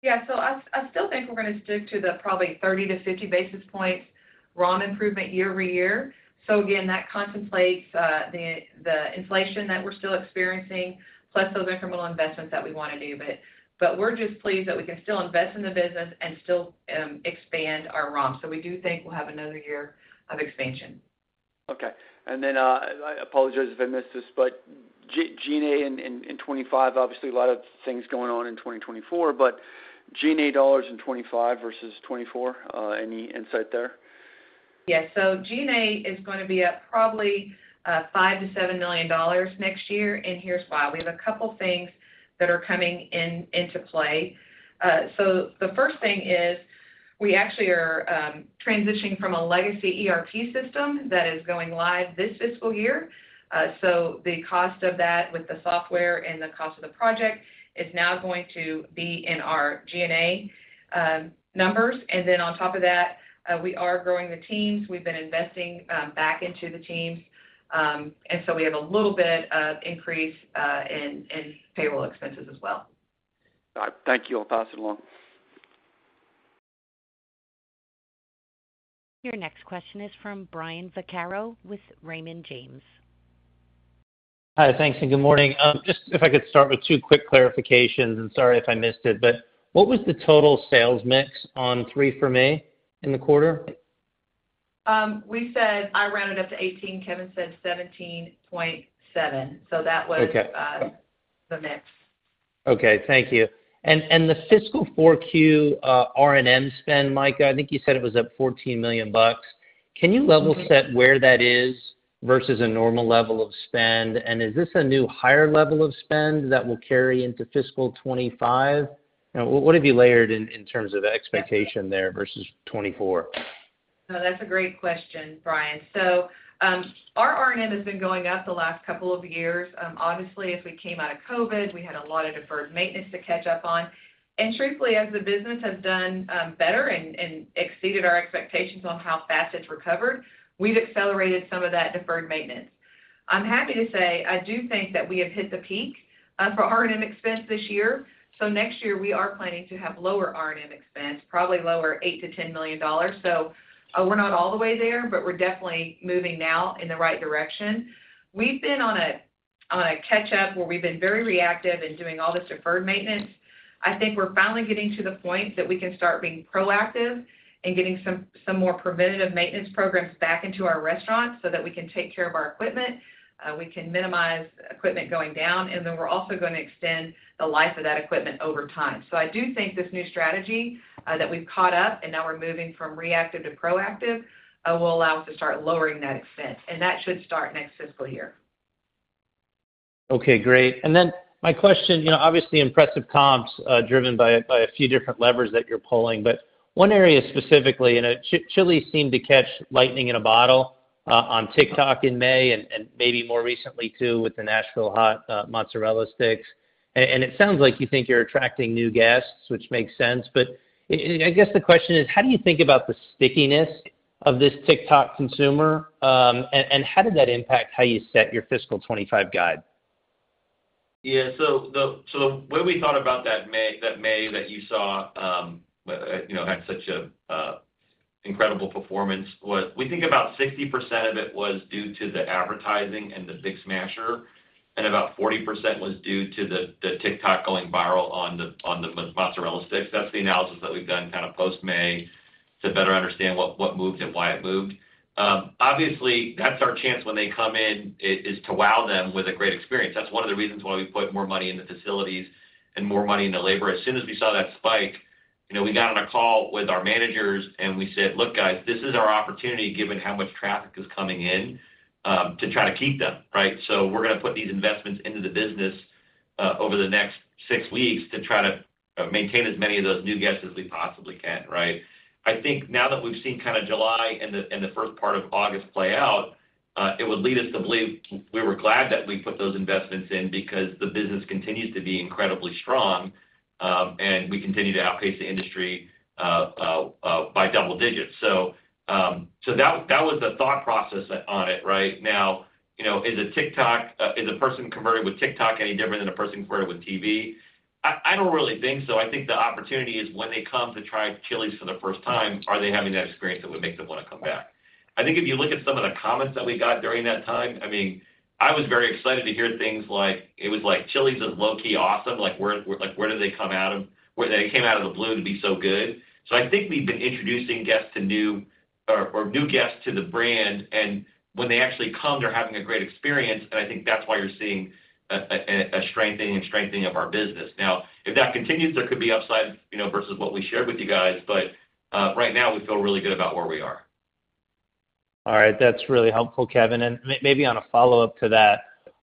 Yeah, so I still think we're gonna stick to the probably 30-50 basis points ROM improvement year-over-year. So again, that contemplates the inflation that we're still experiencing, plus those incremental investments that we wanna do. But we're just pleased that we can still invest in the business and still expand our ROM. So we do think we'll have another year of expansion. Okay. And then, I apologize if I missed this, but GA in 2025, obviously, a lot of things going on in 2024, but GA dollars in 2025 versus 2024, any insight there? Yes, so G&A is going to be up probably $5 million-$7 million next year, and here's why. We have a couple things that are coming into play. So the first thing is, we actually are transitioning from a legacy ERP system that is going live this fiscal year. So the cost of that with the software and the cost of the project is now going to be in our G&A numbers. And then on top of that, we are growing the teams. We've been investing back into the teams, and so we have a little bit of increase in payroll expenses as well. All right. Thank you. I'll pass it along. Your next question is from Brian Vaccaro with Raymond James. Hi, thanks, and good morning. Just if I could start with two quick clarifications, and sorry if I missed it, but what was the total sales mix on 3 for Me in the quarter? We said, I rounded up to 18, Kevin said 17.7, so that was the mix. Okay, thank you. And the fiscal 4Q, R&M spend, Mika, I think you said it was up $14 million. Can you level set where that is versus a normal level of spend? And is this a new higher level of spend that will carry into fiscal 2025? Now, what have you layered in terms of expectation there versus 2024? No, that's a great question, Brian. So, our R&M has been going up the last couple of years. Obviously, as we came out of COVID, we had a lot of deferred maintenance to catch up on. And truthfully, as the business has done better and exceeded our expectations on how fast it's recovered, we've accelerated some of that deferred maintenance. I'm happy to say, I do think that we have hit the peak for R&M expense this year. So next year, we are planning to have lower R&M expense, probably lower $8 million-$10 million. So, we're not all the way there, but we're definitely moving now in the right direction. We've been on a catch up where we've been very reactive in doing all this deferred maintenance. I think we're finally getting to the point that we can start being proactive and getting some more preventative maintenance programs back into our restaurants so that we can take care of our equipment, we can minimize equipment going down, and then we're also going to extend the life of that equipment over time. So I do think this new strategy that we've caught up and now we're moving from reactive to proactive will allow us to start lowering that expense, and that should start next fiscal year. Okay, great. And then my question, you know, obviously, impressive comps, driven by a few different levers that you're pulling. But one area specifically, you know, Chili's seemed to catch lightning in a bottle on TikTok in May and maybe more recently, too, with the Nashville Hot mozzarella sticks. And it sounds like you think you're attracting new guests, which makes sense. But I guess the question is: how do you think about the stickiness of this TikTok consumer? And how did that impact how you set your fiscal 2025 guide? Yeah, so the, so the way we thought about that May, that May that you saw, you know, had such a incredible performance was, we think about 60% of it was due to the advertising and the Big Smasher, and about 40% was due to the, the TikTok going viral on the, on the mozzarella sticks. That's the analysis that we've done kind of post-May to better understand what, what moved and why it moved. Obviously, that's our chance when they come in, is, is to wow them with a great experience. That's one of the reasons why we put more money in the facilities and more money into labor. As soon as we saw that spike, you know, we got on a call with our managers and we said: Look, guys, this is our opportunity, given how much traffic is coming in, to try to keep them, right? So we're going to put these investments into the business, over the next six weeks to try to, maintain as many of those new guests as we possibly can, right? I think now that we've seen kind of July and the, and the first part of August play out, it would lead us to believe we were glad that we put those investments in because the business continues to be incredibly strong, and we continue to outpace the industry, by double digits. So, so that, that was the thought process on it, right? Now, you know, is a person converting with TikTok any different than a person converting with TV? I don't really think so. I think the opportunity is when they come to try Chili's for the first time, are they having that experience that would make them want to come back? I think if you look at some of the comments that we got during that time, I mean, I was very excited to hear things like, it was like, "Chili's is low-key awesome." Like, where, like, where did they come out of? Where they came out of the blue to be so good. So I think we've been introducing guests to new guests to the brand, and when they actually come, they're having a great experience, and I think that's why you're seeing a strengthening of our business. Now, if that continues, there could be upside, you know, versus what we shared with you guys, but right now we feel really good about where we are. All right. That's really helpful, Kevin. And maybe on a follow-up to that,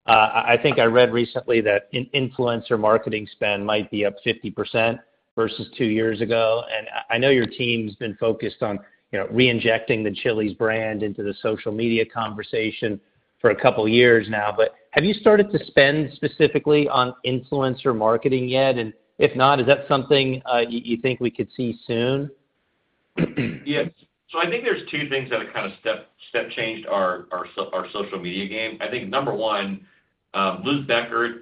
I think I read recently that influencer marketing spend might be up 50% versus two years ago. And I know your team's been focused on, you know, reinjecting the Chili's brand into the social media conversation for a couple of years now, but have you started to spend specifically on influencer marketing yet? And if not, is that something you think we could see soon? Yes. So I think there's two things that have kind of step changed our social media game. I think number one, Luz Deckert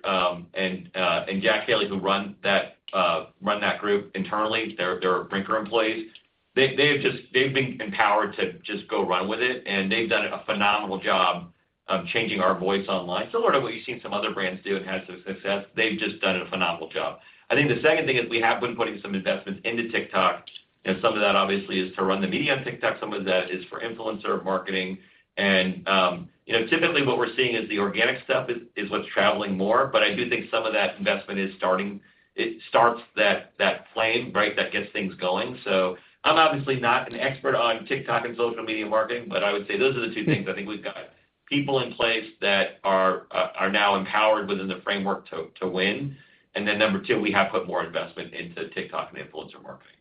and Jack Kelly, who run that group internally, they're Brinker employees. They have just been empowered to just go run with it, and they've done a phenomenal job of changing our voice online. So a lot of what you've seen some other brands do and had some success, they've just done a phenomenal job. I think the second thing is we have been putting some investments into TikTok, and some of that obviously is to run the media on TikTok, some of that is for influencer marketing. You know, typically, what we're seeing is the organic stuff is what's traveling more, but I do think some of that investment is starting. It starts that flame, right, that gets things going. So I'm obviously not an expert on TikTok and social media marketing, but I would say those are the two things I think we've got people in place that are now empowered within the framework to win. And then number two, we have put more investment into TikTok and influencer marketing.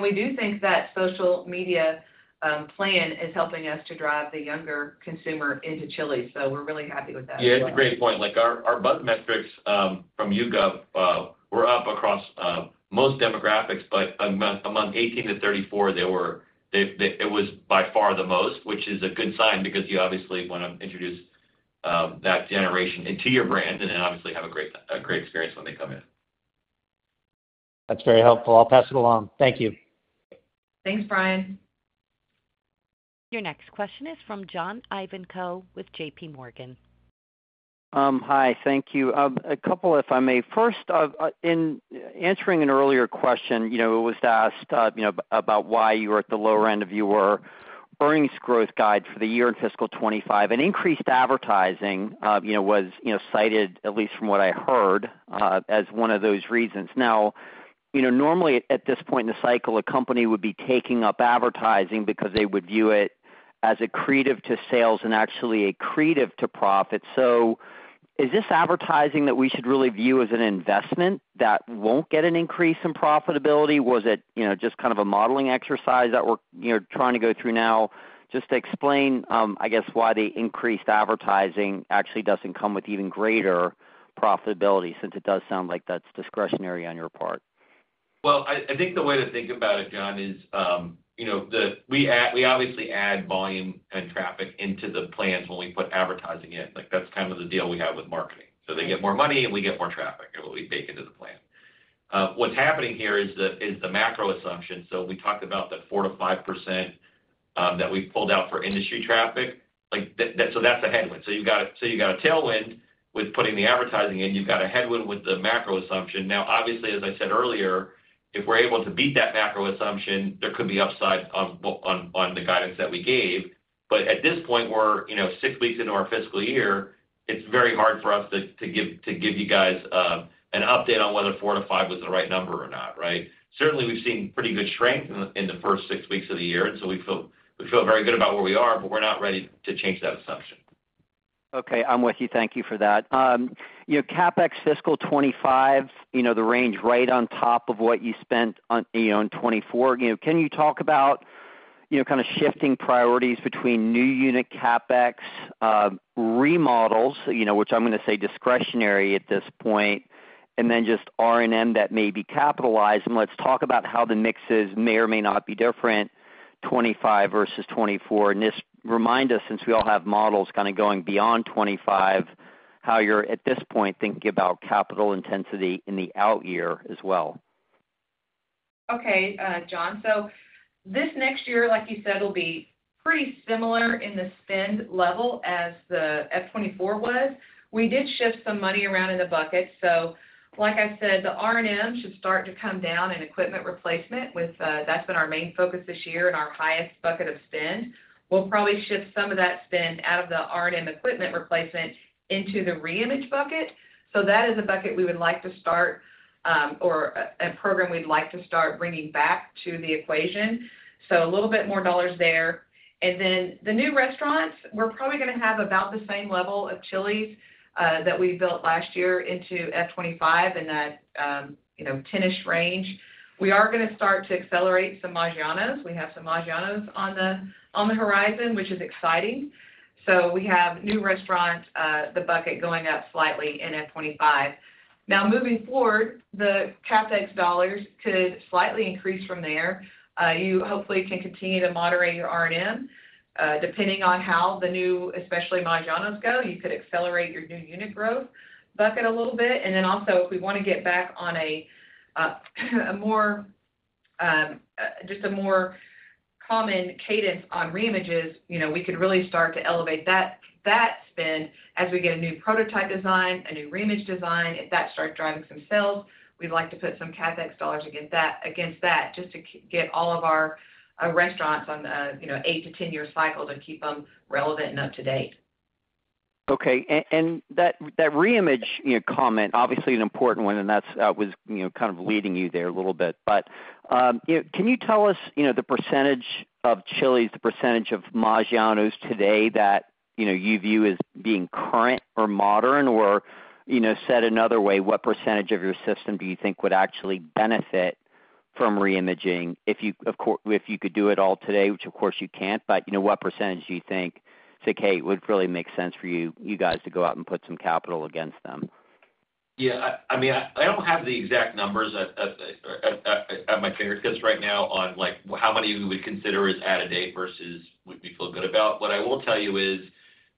We do think that social media plan is helping us to drive the younger consumer into Chili's, so we're really happy with that as well. Yeah, it's a great point. Like, our buzz metrics from YouGov were up across most demographics, but among 18-34, they were by far the most, which is a good sign because you obviously want to introduce that generation into your brand and then obviously have a great experience when they come in. That's very helpful. I'll pass it along. Thank you. Thanks, Brian. Your next question is from John Ivankoe with JPMorgan. Hi, thank you. A couple, if I may. First, in answering an earlier question, you know, it was asked, you know, about why you were at the lower end of your earnings growth guide for the year in fiscal 2025, and increased advertising, you know, was, you know, cited, at least from what I heard, as one of those reasons. Now, you know, normally at this point in the cycle, a company would be taking up advertising because they would view it as accretive to sales and actually accretive to profit. So is this advertising that we should really view as an investment that won't get an increase in profitability? Was it, you know, just kind of a modeling exercise that we're, you know, trying to go through now? Just to explain, I guess, why the increased advertising actually doesn't come with even greater profitability, since it does sound like that's discretionary on your part. Well, I, I think the way to think about it, John, is, you know, we add, we obviously add volume and traffic into the plans when we put advertising in. Like, that's kind of the deal we have with marketing. So they get more money, and we get more traffic, and what we bake into the plan. What's happening here is the macro assumption. So we talked about the 4%-5% that we pulled out for industry traffic. Like, that, so that's a headwind. So you've got a tailwind with putting the advertising in. You've got a headwind with the macro assumption. Now, obviously, as I said earlier, if we're able to beat that macro assumption, there could be upside on the guidance that we gave. But at this point, we're, you know, six weeks into our fiscal year, it's very hard for us to give you guys an update on whether four to five was the right number or not, right? Certainly, we've seen pretty good strength in the first six weeks of the year, and so we feel very good about where we are, but we're not ready to change that assumption. Okay. I'm with you. Thank you for that. You know, CapEx fiscal 2025, you know, the range right on top of what you spent on, you know, on 2024. You know, can you talk about, you know, kind of shifting priorities between new unit CapEx, remodels, you know, which I'm going to say discretionary at this point, and then just R&M that may be capitalized? And let's talk about how the mixes may or may not be different, 2025 versus 2024. And just remind us, since we all have models kind of going beyond 2025, how you're, at this point, thinking about capital intensity in the out year as well. Okay, John. So this next year, like you said, will be pretty similar in the spend level as the F 2024 was. We did shift some money around in the bucket, so like I said, the R&M should start to come down in equipment replacement with that's been our main focus this year and our highest bucket of spend. We'll probably shift some of that spend out of the R&M equipment replacement into the reimage bucket. So that is a bucket we would like to start or a program we'd like to start bringing back to the equation. So a little bit more dollars there. And then the new restaurants, we're probably going to have about the same level of Chili's that we built last year into F 2025 in that you know 10-ish range. We are going to start to accelerate some Maggiano's. We have some Maggiano's on the, on the horizon, which is exciting. So we have new restaurants, the bucket going up slightly in F 2025. Now, moving forward, the CapEx dollars could slightly increase from there. You hopefully can continue to moderate your R&M. Depending on how the new, especially Maggiano's go, you could accelerate your new unit growth bucket a little bit. And then also, if we want to get back on a, a more, just a more common cadence on reimages, you know, we could really start to elevate that, that spend as we get a new prototype design, a new reimage design. If that starts driving some sales, we'd like to put some CapEx dollars against that, against that, just to get all of our restaurants on the, you know, eight to 10-year cycle to keep them relevant and up to date. Okay. And that reimage, you know, comment, obviously an important one, and that's, you know, kind of leading you there a little bit. But, you know, can you tell us, you know, the percentage of Chili's, the percentage of Maggiano's today that, you know, you view as being current or modern? Or, you know, said another way, what percentage of your system do you think would actually benefit from reimaging? If you, of course, if you could do it all today, which of course you can't, but, you know, what percentage do you think it would really make sense for you, you guys to go out and put some capital against them? Yeah, I mean, I don't have the exact numbers at my fingertips right now on, like, how many we would consider as out-of-date versus would we feel good about. What I will tell you is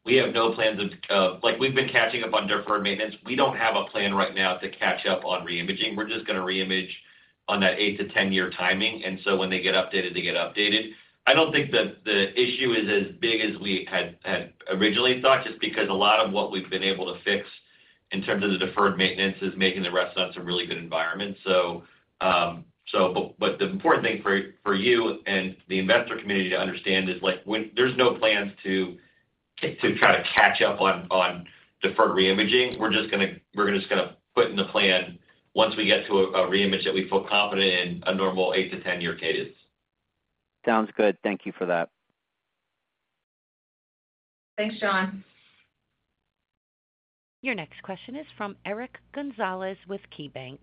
we have no plans of, like, we've been catching up on deferred maintenance. We don't have a plan right now to catch up on reimaging. We're just going to reimage on that eight to 10-year timing, and so when they get updated, they get updated. I don't think that the issue is as big as we had originally thought, just because a lot of what we've been able to fix in terms of the deferred maintenance is making the restaurants a really good environment. The important thing for you and the investor community to understand is, like, when there's no plans to try to catch up on deferred reimaging. We're just gonna just kind of put in the plan once we get to a reimage that we feel confident in a normal eight to 10-year cadence. Sounds good. Thank you for that. Thanks, John. Your next question is from Eric Gonzalez with KeyBanc.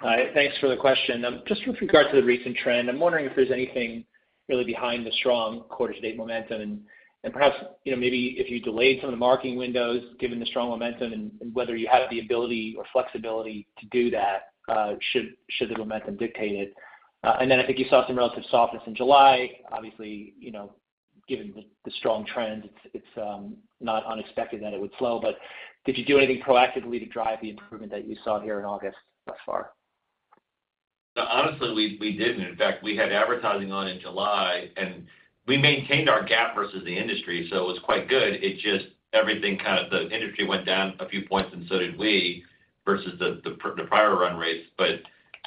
Hi, thanks for the question. Just with regard to the recent trend, I'm wondering if there's anything really behind the strong quarter-to-date momentum, and perhaps, you know, maybe if you delayed some of the marketing windows, given the strong momentum, and whether you have the ability or flexibility to do that, should the momentum dictate it? And then I think you saw some relative softness in July. Obviously, you know, given the strong trends, it's not unexpected that it would slow. But did you do anything proactively to drive the improvement that you saw here in August thus far? No, honestly, we didn't. In fact, we had advertising on in July, and we maintained our gap versus the industry, so it was quite good. It just everything kind of the industry went down a few points, and so did we versus the prior run rates. But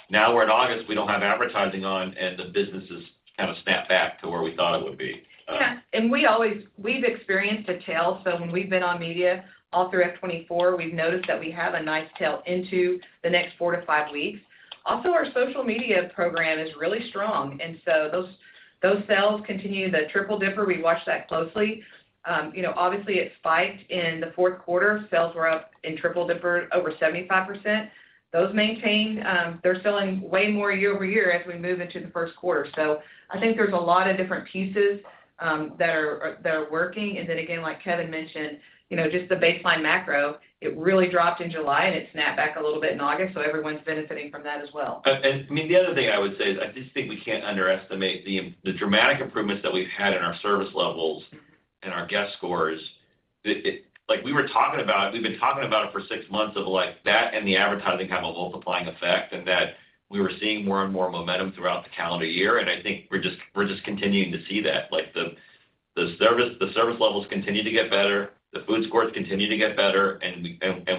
now we're in August, we don't have advertising on, and the business has kind of snapped back to where we thought it would be. Yeah, and we always—we've experienced a tail, so when we've been on media all through F 2024, we've noticed that we have a nice tail into the next four to five weeks. Also, our social media program is really strong, and so those, those sales continue. The Triple Dipper, we watch that closely. You know, obviously, it spiked in the fourth quarter. Sales were up in Triple Dipper over 75%. Those maintained, they're selling way more year-over-year as we move into the first quarter. So I think there's a lot of different pieces that are, that are working. And then again, like Kevin mentioned, you know, just the baseline macro, it really dropped in July, and it snapped back a little bit in August, so everyone's benefiting from that as well. And, I mean, the other thing I would say is, I just think we can't underestimate the dramatic improvements that we've had in our service levels and our guest scores. It—like we were talking about, we've been talking about it for six months, of, like, that and the advertising have a multiplying effect, and that we were seeing more and more momentum throughout the calendar year, and I think we're just continuing to see that. Like, the service levels continue to get better, the food scores continue to get better, and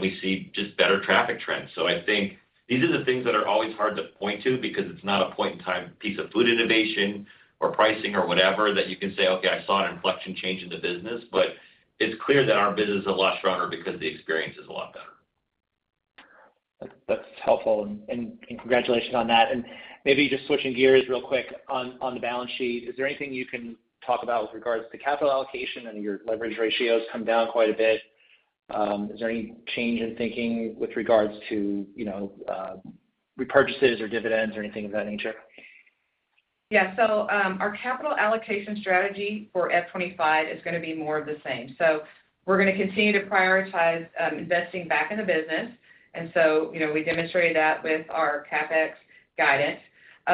we see just better traffic trends. I think these are the things that are always hard to point to because it's not a point-in-time piece of food innovation or pricing or whatever, that you can say, "Okay, I saw an inflection change in the business," but it's clear that our business is a lot stronger because the experience is a lot better. That's helpful, and congratulations on that. And maybe just switching gears real quick on the balance sheet, is there anything you can talk about with regards to capital allocation? I know your leverage ratios come down quite a bit. Is there any change in thinking with regards to, you know, repurchases or dividends or anything of that nature? Yeah. So, our capital allocation strategy for F 2025 is gonna be more of the same. So we're gonna continue to prioritize investing back in the business, and so, you know, we demonstrated that with our CapEx guidance.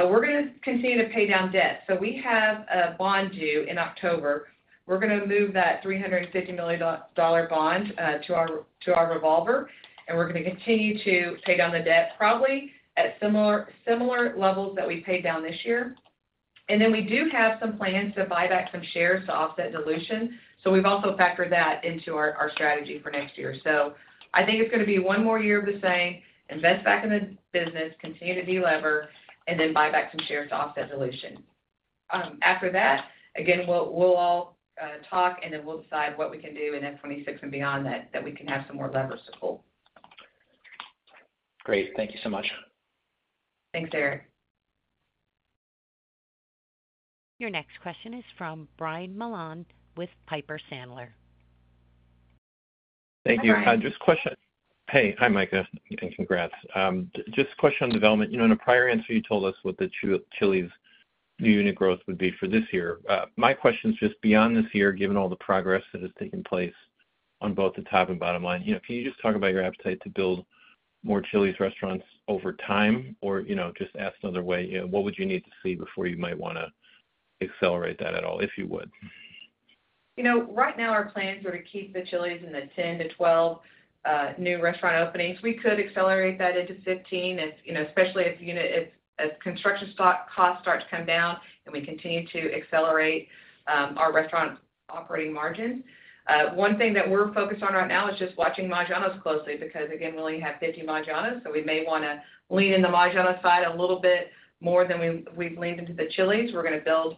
We're gonna continue to pay down debt. So we have a bond due in October. We're gonna move that $350 million dollar bond to our revolver, and we're gonna continue to pay down the debt, probably at similar levels that we paid down this year. And then we do have some plans to buy back some shares to offset dilution, so we've also factored that into our strategy for next year. So I think it's gonna be one more year of the same: invest back in the business, continue to delever, and then buy back some shares to offset dilution. After that, again, we'll all talk, and then we'll decide what we can do in F 2026 and beyond, that we can have some more levers to pull. Great. Thank you so much. Thanks, Eric. Your next question is from Brian Mullan with Piper Sandler. Thank you. Hi, Brian. Just a question. Hey, hi, Mika, and congrats. Just a question on development. You know, in a prior answer, you told us what the Chili's new unit growth would be for this year. My question is just beyond this year, given all the progress that has taken place on both the top and bottom line, you know, can you just talk about your appetite to build more Chili's restaurants over time? Or, you know, just asked another way, you know, what would you need to see before you might wanna accelerate that at all, if you would? You know, right now, our plans are to keep the Chili's in the 10-12 new restaurant openings. We could accelerate that into 15 if, you know, especially if, as construction costs start to come down and we continue to accelerate our restaurant operating margin. One thing that we're focused on right now is just watching Maggiano's closely because, again, we only have 50 Maggiano's, so we may wanna lean in the Maggiano's side a little bit more than we've leaned into the Chili's. We're gonna build,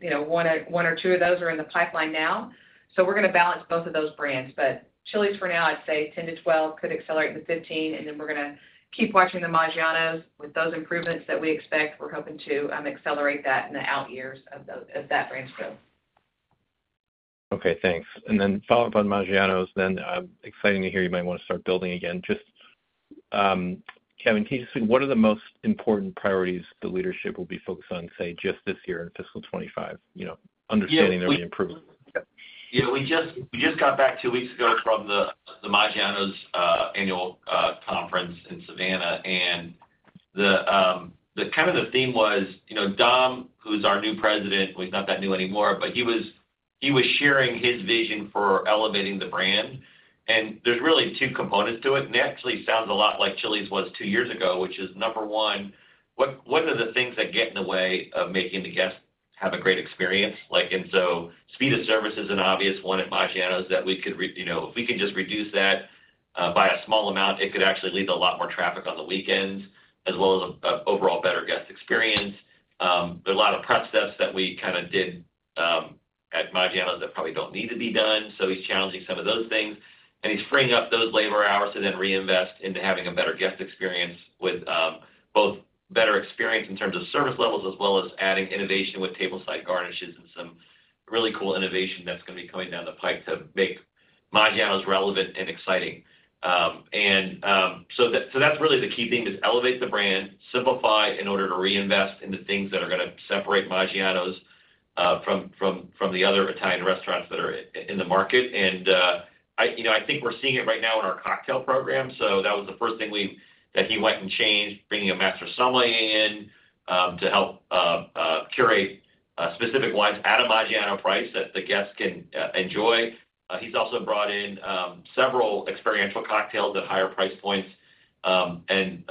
you know, one or two of those are in the pipeline now. So we're gonna balance both of those brands. But Chili's, for now, I'd say 10-12, could accelerate to 15, and then we're gonna keep watching the Maggiano's. With those improvements that we expect, we're hoping to accelerate that in the out years of that brand's growth. Okay, thanks. And then follow up on Maggiano's, then, exciting to hear you might want to start building again. Just, Kevin, can you just say, what are the most important priorities the leadership will be focused on, say, just this year in fiscal 2025? You know, understanding their improvement. Yeah, we just, we just got back two weeks ago from the Maggiano's annual conference in Savannah, and the kind of theme was, you know, Dom, who's our new president, well, he's not that new anymore, but he was sharing his vision for elevating the brand, and there's really two components to it. And it actually sounds a lot like Chili's was two years ago, which is, number one, what are the things that get in the way of making the guests have a great experience? Like, and so speed of service is an obvious one at Maggiano's that we could, you know, if we could just reduce that by a small amount, it could actually lead to a lot more traffic on the weekends, as well as an overall better guest experience. There are a lot of prep steps that we kind of did, Maggiano's that probably don't need to be done. So he's challenging some of those things, and he's freeing up those labor hours to then reinvest into having a better guest experience with both better experience in terms of service levels, as well as adding innovation with tableside garnishes and some really cool innovation that's gonna be coming down the pike to make Maggiano's relevant and exciting. And so that's really the key thing, is elevate the brand, simplify in order to reinvest into things that are gonna separate Maggiano's from the other Italian restaurants that are in the market. You know, I think we're seeing it right now in our cocktail program, so that was the first thing that he went and changed, bringing a master sommelier in to help curate specific wines at a Maggiano's price that the guests can enjoy. He's also brought in several experiential cocktails at higher price points. And,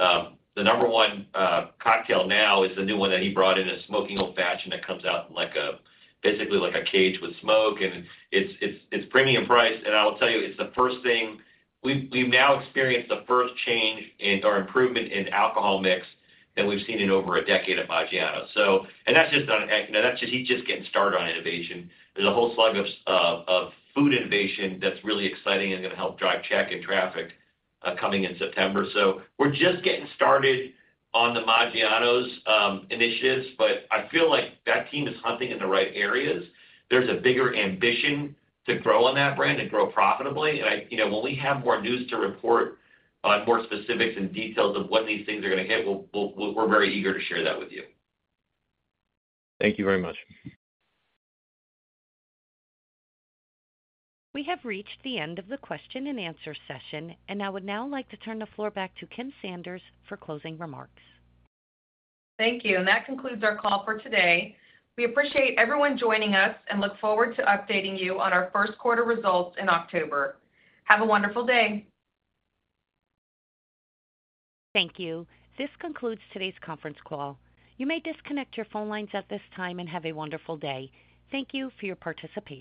the number one cocktail now is the new one that he brought in, a smoking Old Fashioned that comes out in like a basically like a cage with smoke, and it's premium price. And I will tell you, it's the first thing... We've now experienced the first change in, or improvement in alcohol mix than we've seen in over a decade at Maggiano's. So and that's just on alcohol, now that's just, he's just getting started on innovation. There's a whole slug of food innovation that's really exciting and gonna help drive check and traffic coming in September. So we're just getting started on the Maggiano's initiatives, but I feel like that team is hunting in the right areas. There's a bigger ambition to grow on that brand and grow profitably. I, you know, when we have more news to report on more specifics and details of when these things are gonna hit, we'll, we're very eager to share that with you. Thank you very much. We have reached the end of the question-and-answer session, and I would now like to turn the floor back to Kim Sanders for closing remarks. Thank you, and that concludes our call for today. We appreciate everyone joining us and look forward to updating you on our first quarter results in October. Have a wonderful day. Thank you. This concludes today's conference call. You may disconnect your phone lines at this time and have a wonderful day. Thank you for your participation.